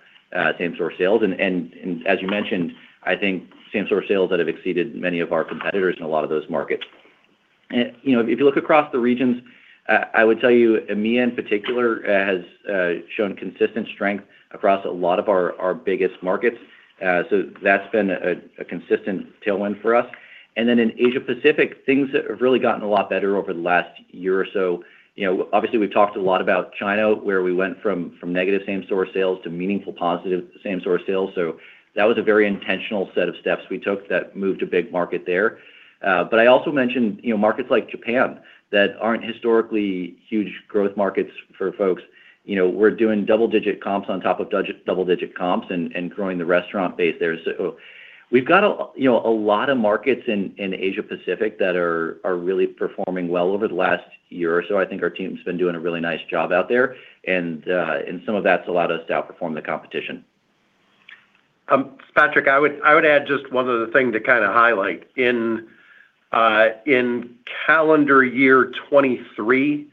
same-store sales. And as you mentioned, I think same-store sales that have exceeded many of our competitors in a lot of those markets. And, you know, if you look across the regions, I would tell you, EMEA in particular has shown consistent strength across a lot of our biggest markets. So that's been a consistent tailwind for us. And then in Asia Pacific, things have really gotten a lot better over the last year or so. You know, obviously, we've talked a lot about China, where we went from negative same-store sales to meaningful positive same-store sales. So that was a very intentional set of steps we took that moved a big market there. But I also mentioned, you know, markets like Japan that aren't historically huge growth markets for folks. You know, we're doing double-digit comps on top of double-digit comps and growing the restaurant base there. So we've got a, you know, a lot of markets in Asia Pacific that are really performing well over the last year or so. I think our team's been doing a really nice job out there, and some of that's allowed us to outperform the competition. Patrick, I would add just one other thing to kinda highlight. In calendar year 2023,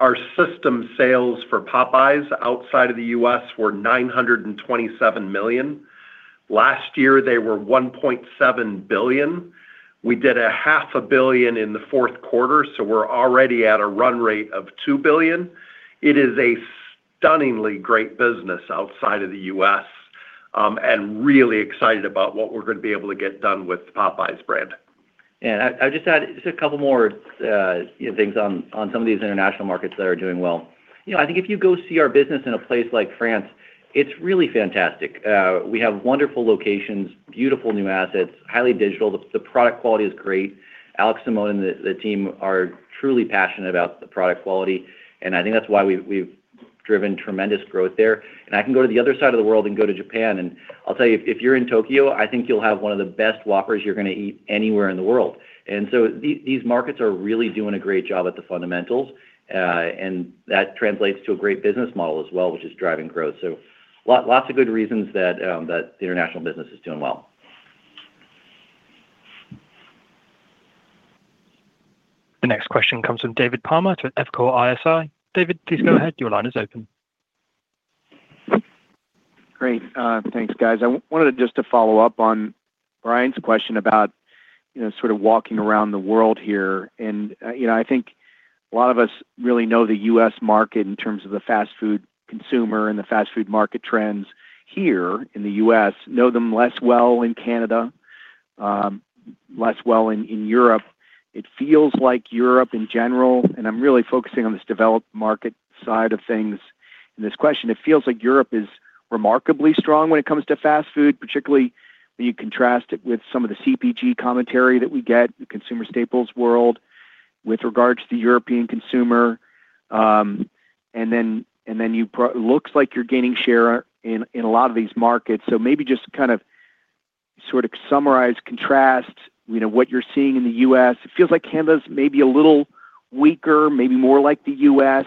our system sales for Popeyes outside of the U.S. were $927 million. Last year, they were $1.7 billion. We did $500 million in the fourth quarter, so we're already at a run rate of $2 billion. It is a stunningly great business outside of the U.S., and really excited about what we're gonna be able to get done with the Popeyes brand. Yeah, and I'd just add just a couple more things on some of these international markets that are doing well. You know, I think if you go see our business in a place like France, it's really fantastic. We have wonderful locations, beautiful new assets, highly digital. The product quality is great. Alex Simon and the team are truly passionate about the product quality, and I think that's why we've driven tremendous growth there. And I can go to the other side of the world and go to Japan, and I'll tell you, if you're in Tokyo, I think you'll have one of the best Whoppers you're gonna eat anywhere in the world. And so these markets are really doing a great job at the fundamentals, and that translates to a great business model as well, which is driving growth. Lots of good reasons that the international business is doing well. The next question comes from David Palmer from Evercore ISI. David, please go ahead. Your line is open. Great. Thanks, guys. I wanted just to follow up on Brian's question about, you know, sort of walking around the world here. And, you know, I think a lot of us really know the U.S. market in terms of the fast food consumer and the fast food market trends here in the U.S., know them less well in Canada, less well in, in Europe. It feels like Europe in general, and I'm really focusing on this developed market side of things in this question. It feels like Europe is remarkably strong when it comes to fast food, particularly when you contrast it with some of the CPG commentary that we get, the consumer staples world, with regards to the European consumer. And then looks like you're gaining share in, in a lot of these markets. So maybe just kind of sort of summarize, contrast, you know, what you're seeing in the U.S. It feels like Canada's maybe a little weaker, maybe more like the U.S.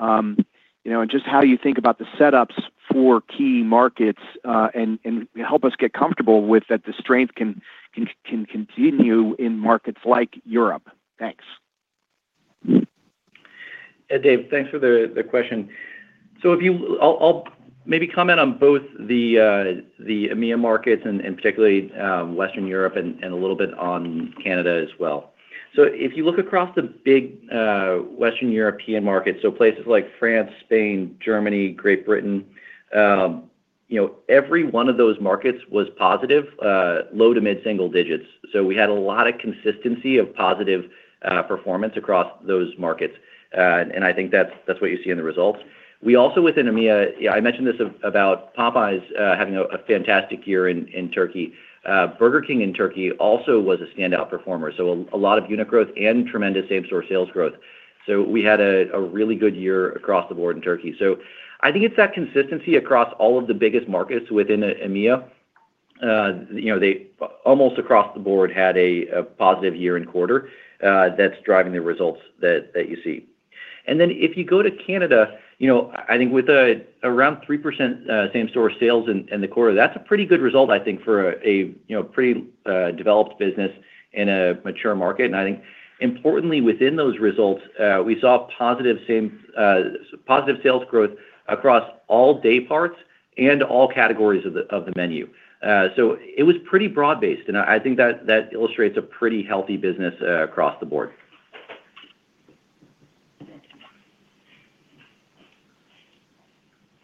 You know, and just how you think about the setups for key markets, and help us get comfortable with that the strength can continue in markets like Europe. Thanks. Yeah, Dave, thanks for the question. So if you- I'll maybe comment on both the EMEA markets and particularly Western Europe and a little bit on Canada as well. So if you look across the big Western European markets, so places like France, Spain, Germany, Great Britain, you know, every one of those markets was positive low to mid single digits. So we had a lot of consistency of positive performance across those markets. And I think that's what you see in the results. We also within EMEA, yeah, I mentioned this about Popeyes having a fantastic year in Turkey. Burger King in Turkey also was a standout performer, so a lot of unit growth and tremendous same-store sales growth. So we had a really good year across the board in Turkey. So I think it's that consistency across all of the biggest markets within EMEA. You know, they almost across the board had a positive year and quarter, that's driving the results that you see. And then if you go to Canada, you know, I think with around 3% same-store sales in the quarter, that's a pretty good result, I think, for a you know, pretty developed business in a mature market. And I think importantly, within those results, we saw positive same positive sales growth across all day parts and all categories of the menu. So it was pretty broad-based, and I think that illustrates a pretty healthy business across the board.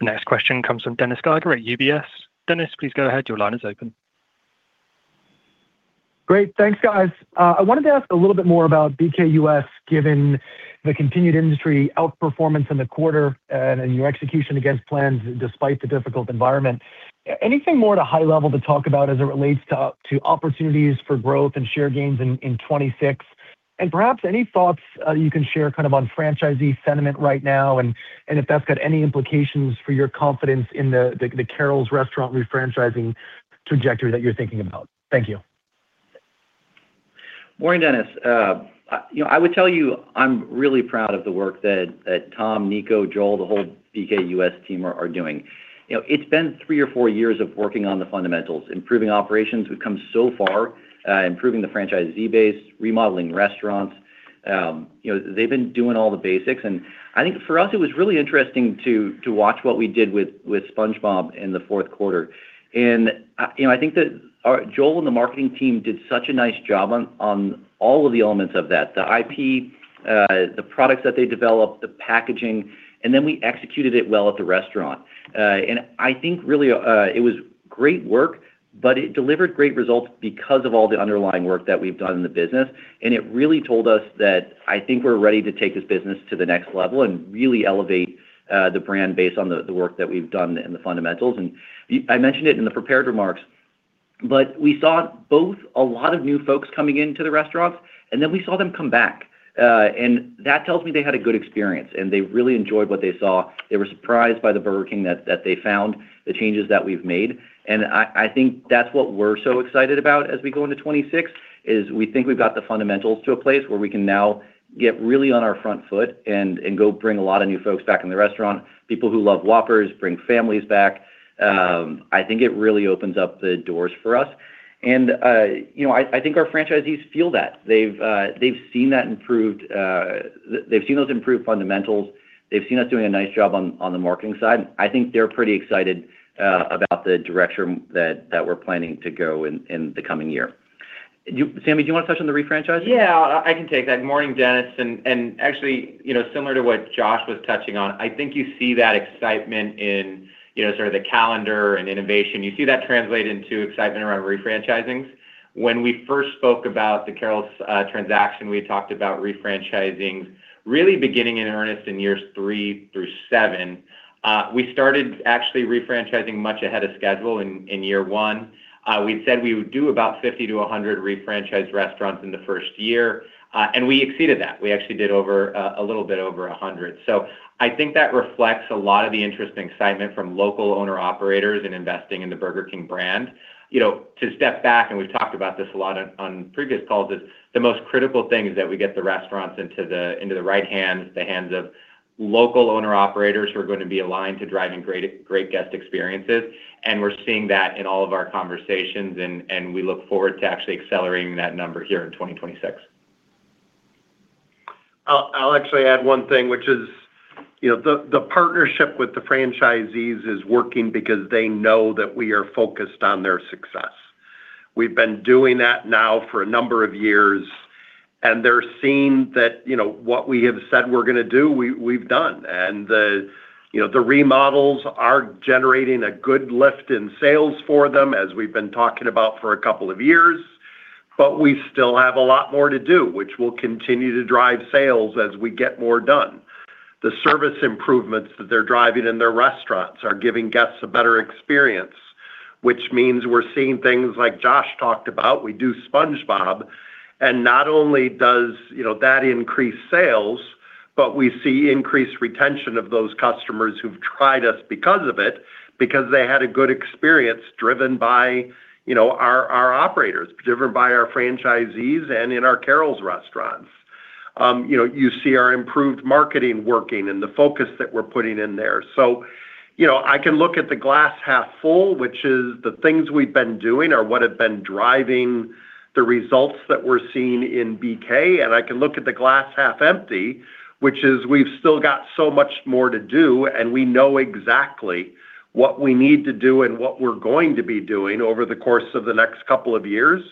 The next question comes from Dennis Geiger at UBS. Dennis, please go ahead. Your line is open. Great. Thanks, guys. I wanted to ask a little bit more about BK U.S., given the continued industry outperformance in the quarter and your execution against plans despite the difficult environment. Anything more at a high level to talk about as it relates to opportunities for growth and share gains in 2026? And perhaps any thoughts you can share kind of on franchisee sentiment right now, and if that's got any implications for your confidence in the Carrols Restaurant refranchising trajectory that you're thinking about? Thank you. Morning, Dennis. You know, I would tell you, I'm really proud of the work that Tom, Nico, Joel, the whole BK U.S. team are doing. You know, it's been three or four years of working on the fundamentals, improving operations. We've come so far, improving the franchisee base, remodeling restaurants. You know, they've been doing all the basics, and I think for us, it was really interesting to watch what we did with SpongeBob in the fourth quarter. You know, I think that our Joel and the marketing team did such a nice job on all of the elements of that, the IP, the products that they developed, the packaging, and then we executed it well at the restaurant. And I think really, it was great work, but it delivered great results because of all the underlying work that we've done in the business. And it really told us that I think we're ready to take this business to the next level and really elevate, the brand based on the, the work that we've done in the fundamentals. And I mentioned it in the prepared remarks, but we saw both a lot of new folks coming into the restaurants, and then we saw them come back. And that tells me they had a good experience, and they really enjoyed what they saw. They were surprised by the Burger King that, that they found, the changes that we've made. I, I think that's what we're so excited about as we go into 2026, is we think we've got the fundamentals to a place where we can now get really on our front foot and go bring a lot of new folks back in the restaurant, people who love Whoppers, bring families back. I think it really opens up the doors for us. You know, I, I think our franchisees feel that. They've seen that improved. They've seen those improved fundamentals. They've seen us doing a nice job on the marketing side. I think they're pretty excited about the direction that we're planning to go in, in the coming year. Sami, do you want to touch on the refranchising? Yeah, I can take that. Morning, Dennis. And actually, you know, similar to what Josh was touching on, I think you see that excitement in, you know, sort of the calendar and innovation. You see that translate into excitement around refranchising. When we first spoke about the Carrols transaction, we talked about refranchising really beginning in earnest in years 3-7. We started actually refranchising much ahead of schedule in year 1. We said we would do about 50-100 refranchised restaurants in the first year, and we exceeded that. We actually did over a little bit over 100. So I think that reflects a lot of the interest and excitement from local owner-operators in investing in the Burger King brand. You know, to step back, and we've talked about this a lot on, on previous calls, is the most critical thing is that we get the restaurants into the, into the right hands, the hands of local owner-operators who are gonna be aligned to driving great, great guest experiences. And we're seeing that in all of our conversations, and, and we look forward to actually accelerating that number here in 2026. I'll actually add one thing, which is, you know, the partnership with the franchisees is working because they know that we are focused on their success. We've been doing that now for a number of years, and they're seeing that, you know, what we have said we're gonna do, we've done. And you know, the remodels are generating a good lift in sales for them, as we've been talking about for a couple of years, but we still have a lot more to do, which will continue to drive sales as we get more done. The service improvements that they're driving in their restaurants are giving guests a better experience, which means we're seeing things like Josh talked about. We do SpongeBob, and not only does, you know, that increase sales, but we see increased retention of those customers who've tried us because of it, because they had a good experience driven by, you know, our, our operators, driven by our franchisees and in our Carrols restaurants. You know, you see our improved marketing working and the focus that we're putting in there. So, you know, I can look at the glass half full, which is the things we've been doing or what have been driving the results that we're seeing in BK, and I can look at the glass half empty, which is we've still got so much more to do, and we know exactly what we need to do and what we're going to be doing over the course of the next couple of years.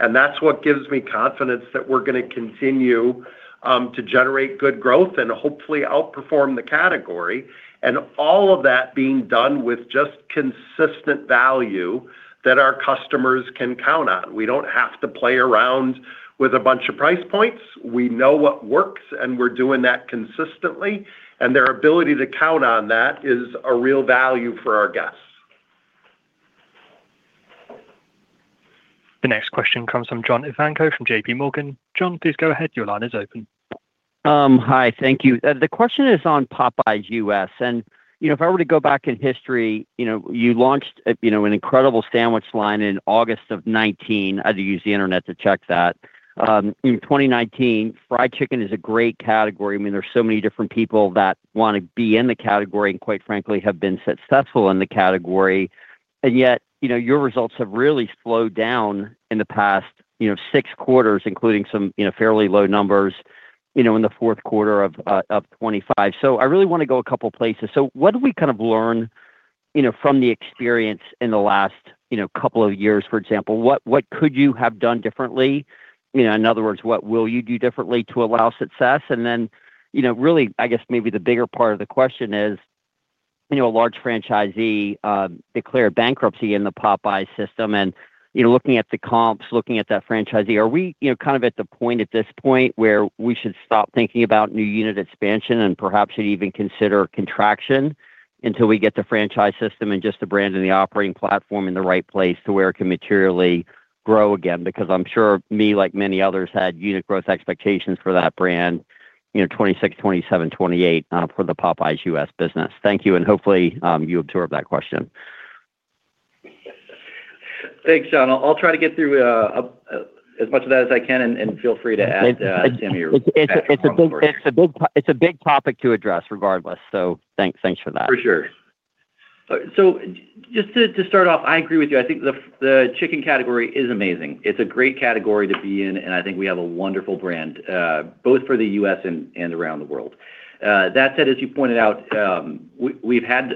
That's what gives me confidence that we're gonna continue to generate good growth and hopefully outperform the category, and all of that being done with just consistent value that our customers can count on. We don't have to play around with a bunch of price points. We know what works, and we're doing that consistently, and their ability to count on that is a real value for our guests. The next question comes from John Ivankoe, from JP Morgan. John, please go ahead. Your line is open. Hi, thank you. The question is on Popeyes U.S. You know, if I were to go back in history, you know, you launched, you know, an incredible sandwich line in August of 2019. I had to use the internet to check that. In 2019, fried chicken is a great category. I mean, there's so many different people that want to be in the category, and quite frankly, have been successful in the category. And yet, you know, your results have really slowed down in the past, you know, 6 quarters, including some, you know, fairly low numbers, you know, in the fourth quarter of 2025. So I really want to go a couple of places. So what do we kind of learn, you know, from the experience in the last, you know, couple of years, for example? What, what could you have done differently? You know, in other words, what will you do differently to allow success? And then, you know, really, I guess maybe the bigger part of the question is, you know, a large franchisee declared bankruptcy in the Popeyes system, and, you know, looking at the comps, looking at that franchisee, are we, you know, kind of at the point at this point where we should stop thinking about new unit expansion and perhaps should even consider contraction until we get the franchise system and just the brand and the operating platform in the right place to where it can materially grow again? Because I'm sure me, like many others, had unit growth expectations for that brand, you know, 2026, 2027, 2028 for the Popeyes U.S. business. Thank you, and hopefully you have two of that question. Thanks, John. I'll try to get through as much of that as I can, and feel free to add, Sami- It's a big topic to address, regardless. So thanks, thanks for that. For sure.... Just to start off, I agree with you. I think the chicken category is amazing. It's a great category to be in, and I think we have a wonderful brand both for the U.S. and around the world. That said, as you pointed out, we have had,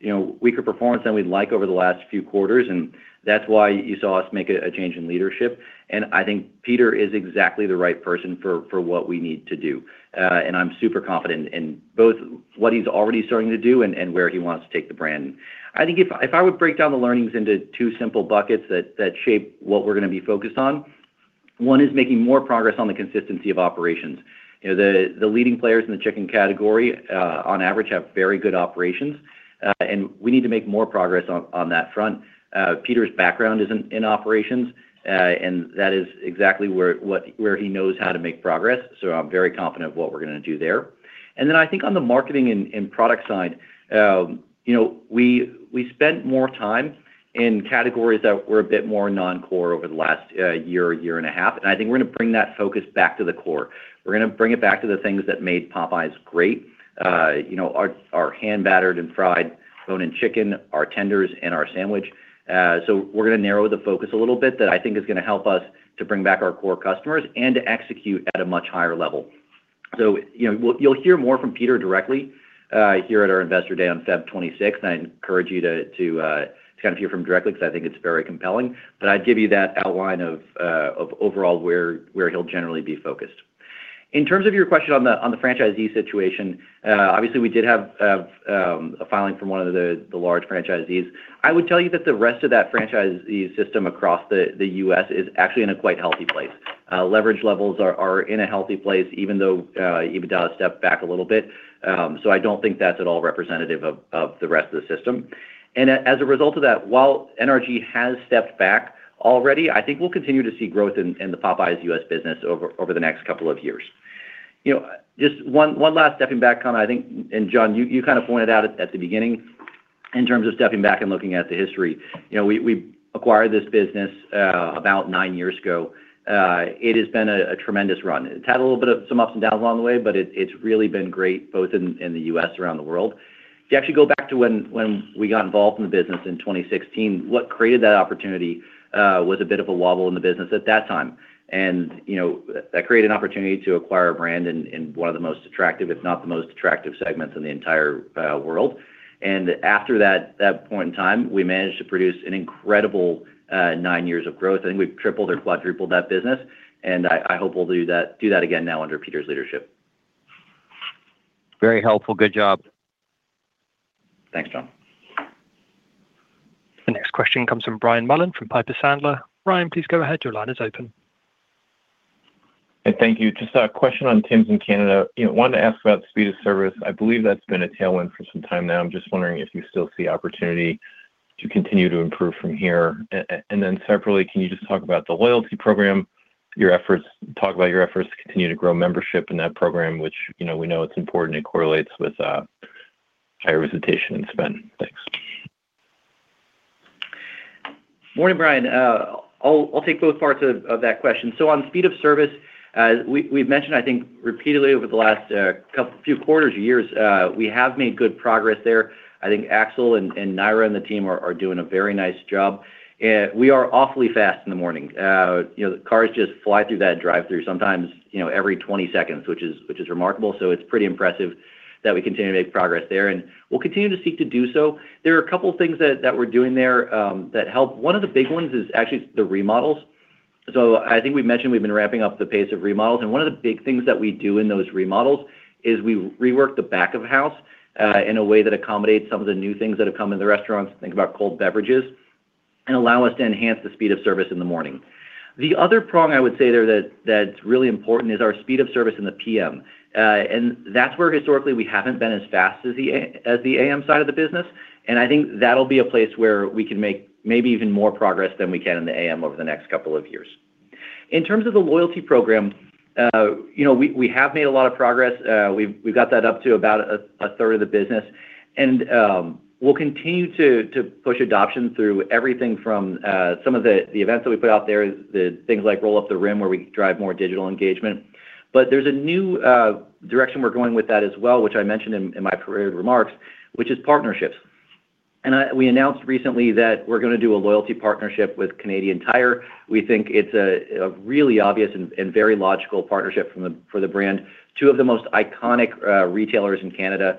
you know, weaker performance than we'd like over the last few quarters, and that's why you saw us make a change in leadership. And I think Peter is exactly the right person for what we need to do. And I'm super confident in both what he's already starting to do and where he wants to take the brand. I think if I would break down the learnings into two simple buckets that shape what we're gonna be focused on, one is making more progress on the consistency of operations. You know, the leading players in the chicken category on average have very good operations, and we need to make more progress on that front. Peter's background is in operations, and that is exactly where he knows how to make progress, so I'm very confident of what we're gonna do there. And then I think on the marketing and product side, you know, we spent more time in categories that were a bit more non-core over the last year and a half, and I think we're gonna bring that focus back to the core. We're gonna bring it back to the things that made Popeyes great, you know, our hand-battered and fried bone-in chicken, our tenders, and our sandwich. So we're gonna narrow the focus a little bit. That, I think, is gonna help us to bring back our core customers and to execute at a much higher level. So, you know, you'll hear more from Peter directly here at our Investor Day on February 26th, and I encourage you to kind of hear from him directly because I think it's very compelling. But I'd give you that outline of overall where he'll generally be focused. In terms of your question on the franchisee situation, obviously, we did have a filing from one of the large franchisees. I would tell you that the rest of that franchisee system across the, the U.S. is actually in a quite healthy place. Leverage levels are, are in a healthy place, even though, even though it stepped back a little bit, so I don't think that's at all representative of, of the rest of the system. And as a result of that, while NRG has stepped back already, I think we'll continue to see growth in, in the Popeyes U.S. business over, over the next couple of years. You know, just one, one last stepping back, kinda, I think, and John, you, you kind of pointed out at, at the beginning in terms of stepping back and looking at the history. You know, we, we acquired this business, about nine years ago. It has been a, a tremendous run. It's had a little bit of some ups and downs along the way, but it's, it's really been great, both in, in the US and around the world. If you actually go back to when, when we got involved in the business in 2016, what created that opportunity was a bit of a wobble in the business at that time. And, you know, that created an opportunity to acquire a brand in, in one of the most attractive, if not the most attractive segments in the entire world. And after that, that point in time, we managed to produce an incredible nine years of growth. I think we've tripled or quadrupled that business, and I, I hope we'll do that, do that again now under Peter's leadership. Very helpful. Good job. Thanks, John. The next question comes from Brian Mullan from Piper Sandler. Brian, please go ahead. Your line is open. Hey, thank you. Just a question on Tims in Canada. You know, wanted to ask about speed of service. I believe that's been a tailwind for some time now. I'm just wondering if you still see opportunity to continue to improve from here. And then separately, can you just talk about the loyalty program, your efforts, talk about your efforts to continue to grow membership in that program, which, you know, we know it's important, it correlates with higher visitation and spend. Thanks. Morning, Brian. I'll take both parts of that question. So on speed of service, we've mentioned, I think, repeatedly over the last couple few quarters and years, we have made good progress there. I think Axel and Naira and the team are doing a very nice job. We are awfully fast in the morning. You know, the cars just fly through that drive-through sometimes, you know, every 20 seconds, which is remarkable. So it's pretty impressive that we continue to make progress there, and we'll continue to seek to do so. There are a couple of things that we're doing there that help. One of the big ones is actually the remodels. So I think we've mentioned we've been ramping up the pace of remodels, and one of the big things that we do in those remodels is we rework the back of house in a way that accommodates some of the new things that have come in the restaurants, think about cold beverages, and allow us to enhance the speed of service in the morning. The other prong, I would say there, that's really important is our speed of service in the PM. And that's where historically, we haven't been as fast as the as the AM side of the business, and I think that'll be a place where we can make maybe even more progress than we can in the AM over the next couple of years. In terms of the loyalty program, you know, we, we have made a lot of progress. We've got that up to about a third of the business, and we'll continue to push adoption through everything from some of the events that we put out there, the things like Roll Up the Rim, where we drive more digital engagement. But there's a new direction we're going with that as well, which I mentioned in my prepared remarks, which is partnerships. And we announced recently that we're gonna do a loyalty partnership with Canadian Tire. We think it's a really obvious and very logical partnership from for the brand. Two of the most iconic retailers in Canada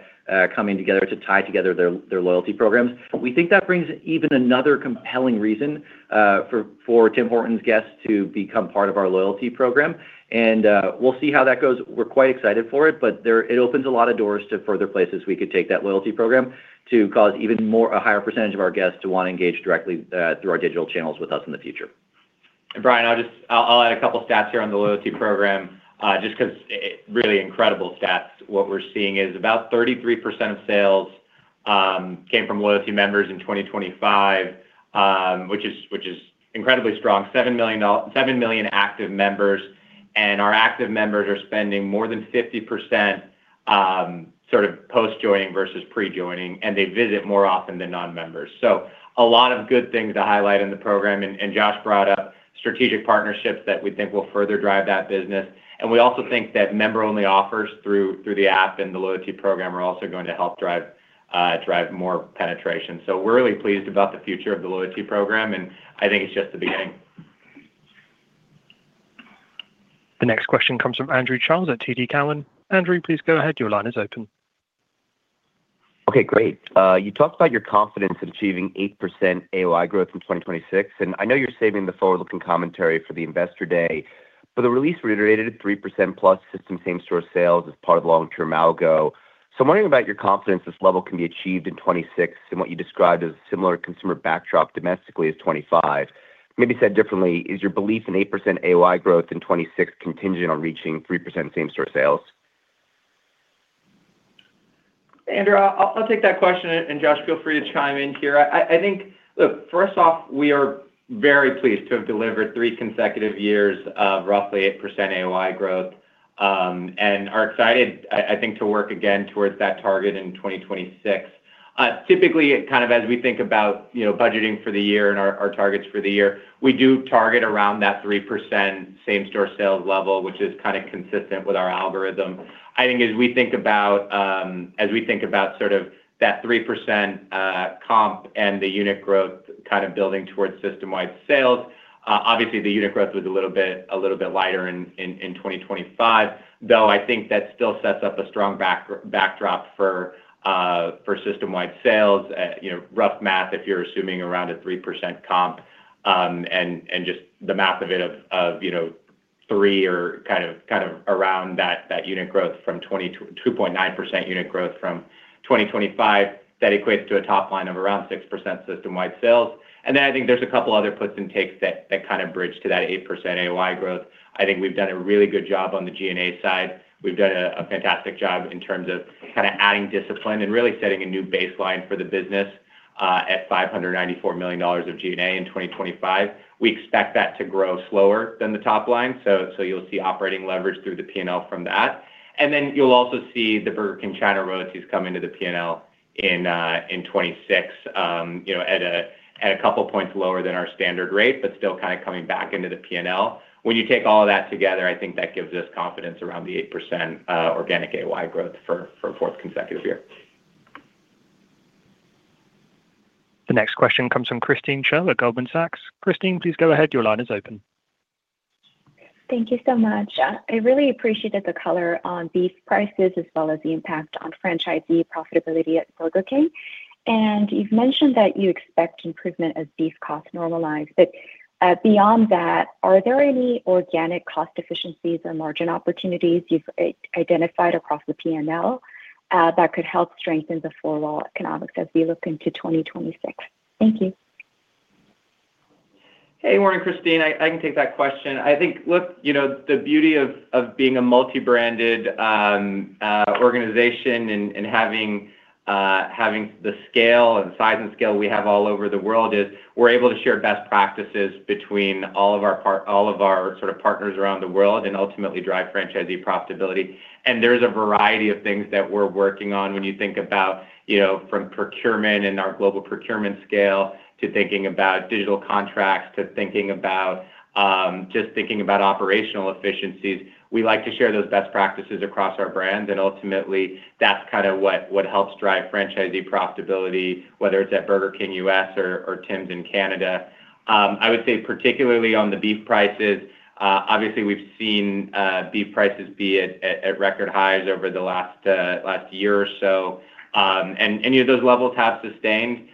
coming together to tie together their loyalty programs. We think that brings even another compelling reason for Tim Hortons guests to become part of our loyalty program, and we'll see how that goes. We're quite excited for it, but it opens a lot of doors to further places we could take that loyalty program to cause even more, a higher percentage of our guests to want to engage directly through our digital channels with us in the future. And Brian, I'll just add a couple stats here on the loyalty program, just 'cause it's really incredible stats. What we're seeing is about 33% of sales came from loyalty members in 2025, which is incredibly strong. Seven million active members, and our active members are spending more than 50%, sort of post-joining versus pre-joining, and they visit more often than non-members. So a lot of good things to highlight in the program, and Josh brought up strategic partnerships that we think will further drive that business. And we also think that member-only offers through the app and the loyalty program are also going to help drive drive more penetration. So we're really pleased about the future of the loyalty program, and I think it's just the beginning. The next question comes from Andrew Charles at TD Cowen. Andrew, please go ahead. Your line is open. Okay, great. You talked about your confidence in achieving 8% AOI growth in 2026, and I know you're saving the forward-looking commentary for the investor day, but the release reiterated a 3%+ system same-store sales as part of the long-term algo. So I'm wondering about your confidence, this level can be achieved in 2026, and what you described as a similar consumer backdrop domestically as 25. Maybe said differently, is your belief in 8% AOI growth in 2026 contingent on reaching 3% same-store sales? Andrew, I'll take that question, and Josh, feel free to chime in here. I think. Look, first off, we are very pleased to have delivered 3 consecutive years of roughly 8% AOI growth, and are excited, I think, to work again towards that target in 2026. Typically, kind of as we think about, you know, budgeting for the year and our targets for the year, we do target around that 3% same-store sales level, which is kind of consistent with our algorithm. I think as we think about sort of that 3% comp and the unit growth kind of building towards system-wide sales, obviously, the unit growth was a little bit lighter in 2025. Though, I think that still sets up a strong backdrop for system-wide sales. You know, rough math, if you're assuming around a 3% comp, and just the math of it, you know, 3% or kind of around that unit growth from 20-2.9% unit growth from 2025, that equates to a top line of around 6% system-wide sales. And then I think there's a couple other puts and takes that kind of bridge to that 8% AOI growth. I think we've done a really good job on the G&A side. We've done a fantastic job in terms of kinda adding discipline and really setting a new baseline for the business at $594 million of G&A in 2025. We expect that to grow slower than the top line, so, so you'll see operating leverage through the P&L from that. And then you'll also see the Burger King China royalties come into the P&L in 2026, you know, at a, at a couple points lower than our standard rate, but still kind of coming back into the P&L. When you take all of that together, I think that gives us confidence around the 8% organic AOI growth for a fourth consecutive year. The next question comes from Christine Cho at Goldman Sachs. Christine, please go ahead. Your line is open. Thank you so much. I really appreciated the color on beef prices as well as the impact on franchisee profitability at Burger King. And you've mentioned that you expect improvement as beef costs normalize, but, beyond that, are there any organic cost efficiencies or margin opportunities you've identified across the P&L, that could help strengthen the four-wall economics as we look into 2026? Thank you. Hey, morning, Christine. I can take that question. I think, look, you know, the beauty of being a multi-branded organization and having the scale and size and scale we have all over the world is we're able to share best practices between all of our partners around the world and ultimately drive franchisee profitability. And there's a variety of things that we're working on when you think about, you know, from procurement and our global procurement scale, to thinking about digital contracts, to thinking about just thinking about operational efficiencies. We like to share those best practices across our brand, and ultimately, that's kind of what helps drive franchisee profitability, whether it's at Burger King US or Tims in Canada. I would say, particularly on the beef prices, obviously, we've seen beef prices be at record highs over the last year or so, and any of those levels have sustained.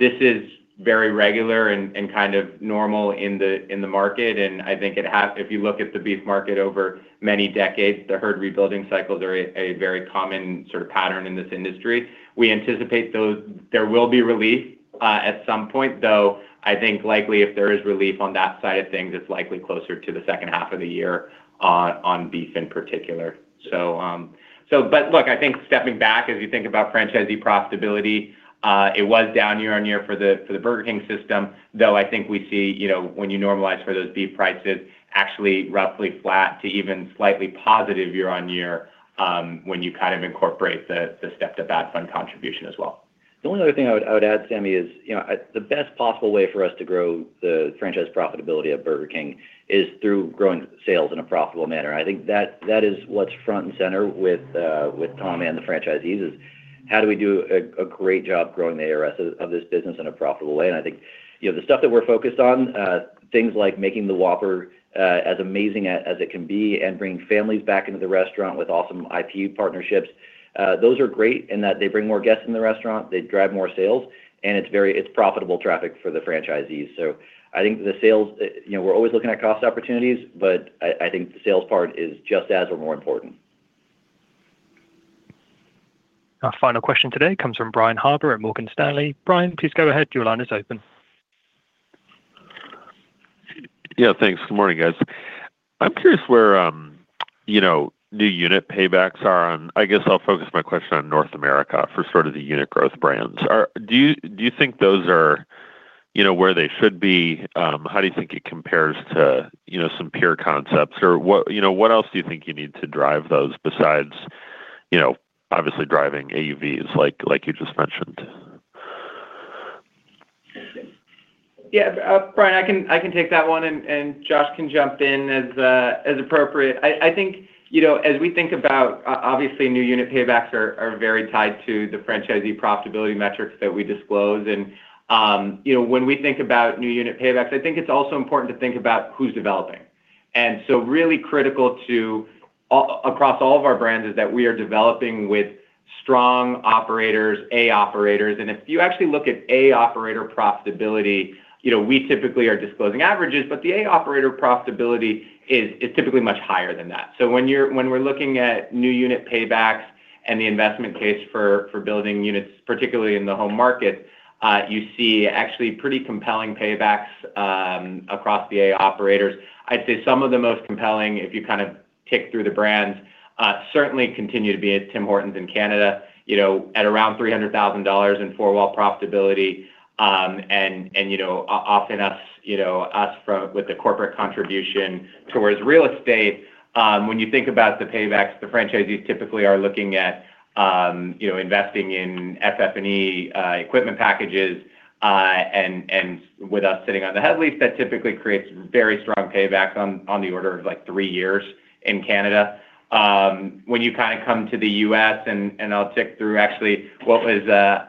This is very regular and kind of normal in the market, and I think it has, if you look at the beef market over many decades, the herd rebuilding cycles are a very common sort of pattern in this industry. We anticipate those, there will be relief at some point, though, I think likely if there is relief on that side of things, it's likely closer to the second half of the year on beef in particular. So, so but look, I think stepping back, as you think about franchisee profitability, it was down year-over-year for the Burger King system, though I think we see, you know, when you normalize for those beef prices, actually roughly flat to even slightly positive year-over-year, when you kind of incorporate the step-up ad fund contribution as well. The only other thing I would, I would add, Sami, is, you know, the best possible way for us to grow the franchise profitability of Burger King is through growing sales in a profitable manner. I think that, that is what's front and center with, with Tom and the franchisees, is how do we do a, a great job growing the ARS of, of this business in a profitable way? And I think, you know, the stuff that we're focused on, things like making the Whopper, as amazing as, as it can be and bringing families back into the restaurant with awesome IP partnerships, those are great in that they bring more guests in the restaurant, they drive more sales, and it's very—it's profitable traffic for the franchisees. I think the sales, you know, we're always looking at cost opportunities, but I think the sales part is just as or more important. Our final question today comes from Brian Harbour at Morgan Stanley. Brian, please go ahead. Your line is open. Yeah, thanks. Good morning, guys. I'm curious where, you know, new unit paybacks are on... I guess I'll focus my question on North America for sort of the unit growth brands. Are—do you, do you think those are, you know, where they should be? How do you think it compares to, you know, some peer concepts? Or what, you know, what else do you think you need to drive those besides, you know, obviously driving AUVs like, like you just mentioned? Yeah, Brian, I can take that one, and Josh can jump in as appropriate. I think, you know, as we think about, obviously, new unit paybacks are very tied to the franchisee profitability metrics that we disclose. And, you know, when we think about new unit paybacks, I think it's also important to think about who's developing. And so really critical across all of our brands is that we are developing with strong operators, A operators. And if you actually look at A operator profitability, you know, we typically are disclosing averages, but the A operator profitability is typically much higher than that. When we're looking at new unit paybacks and the investment case for building units, particularly in the home market, you see actually pretty compelling paybacks across the A operators. I'd say some of the most compelling, if you kind of tick through the brands, certainly continue to be at Tim Hortons in Canada, you know, at around $300,000 in four-wall profitability. And, you know, often us, you know, us from, with the corporate contribution towards real estate, you know, when you think about the paybacks, the franchisees typically are looking at investing in FF&E, equipment packages, and with us sitting on the head lease, that typically creates very strong paybacks on the order of, like, three years in Canada. When you kind of come to the U.S. and I'll tick through actually what was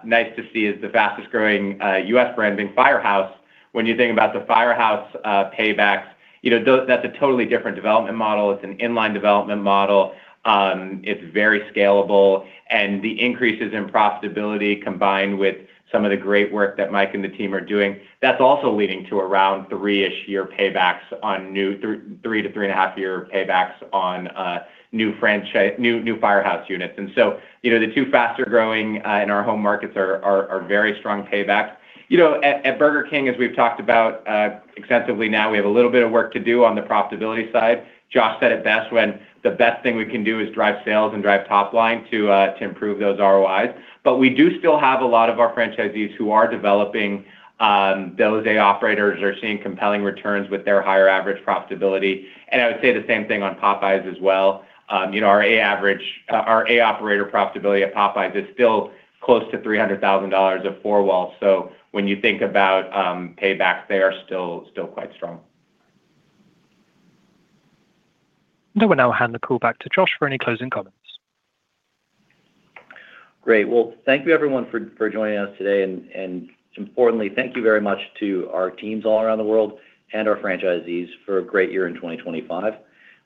nice to see as the fastest-growing U.S. brand being Firehouse. When you think about the Firehouse paybacks, you know, that's a totally different development model. It's an inline development model. It's very scalable, and the increases in profitability, combined with some of the great work that Mike and the team are doing, that's also leading to around 3-ish year paybacks on new 3, 3-3.5 year paybacks on new Firehouse units. And so, you know, the two faster-growing in our home markets are very strong paybacks. You know, at Burger King, as we've talked about extensively, now we have a little bit of work to do on the profitability side. Josh said it best when, "The best thing we can do is drive sales and drive top line to improve those ROIs." But we do still have a lot of our franchisees who are developing, those A operators are seeing compelling returns with their higher average profitability. And I would say the same thing on Popeyes as well. You know, our A average, our A operator profitability at Popeyes is still close to $300,000 of four walls. So when you think about paybacks, they are still, still quite strong. I will now hand the call back to Josh for any closing comments. Great. Well, thank you everyone for joining us today, and importantly, thank you very much to our teams all around the world and our franchisees for a great year in 2025.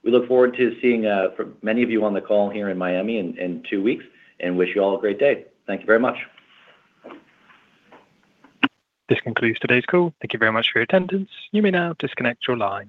We look forward to seeing for many of you on the call here in Miami in two weeks, and wish you all a great day. Thank you very much. This concludes today's call. Thank you very much for your attendance. You may now disconnect your line.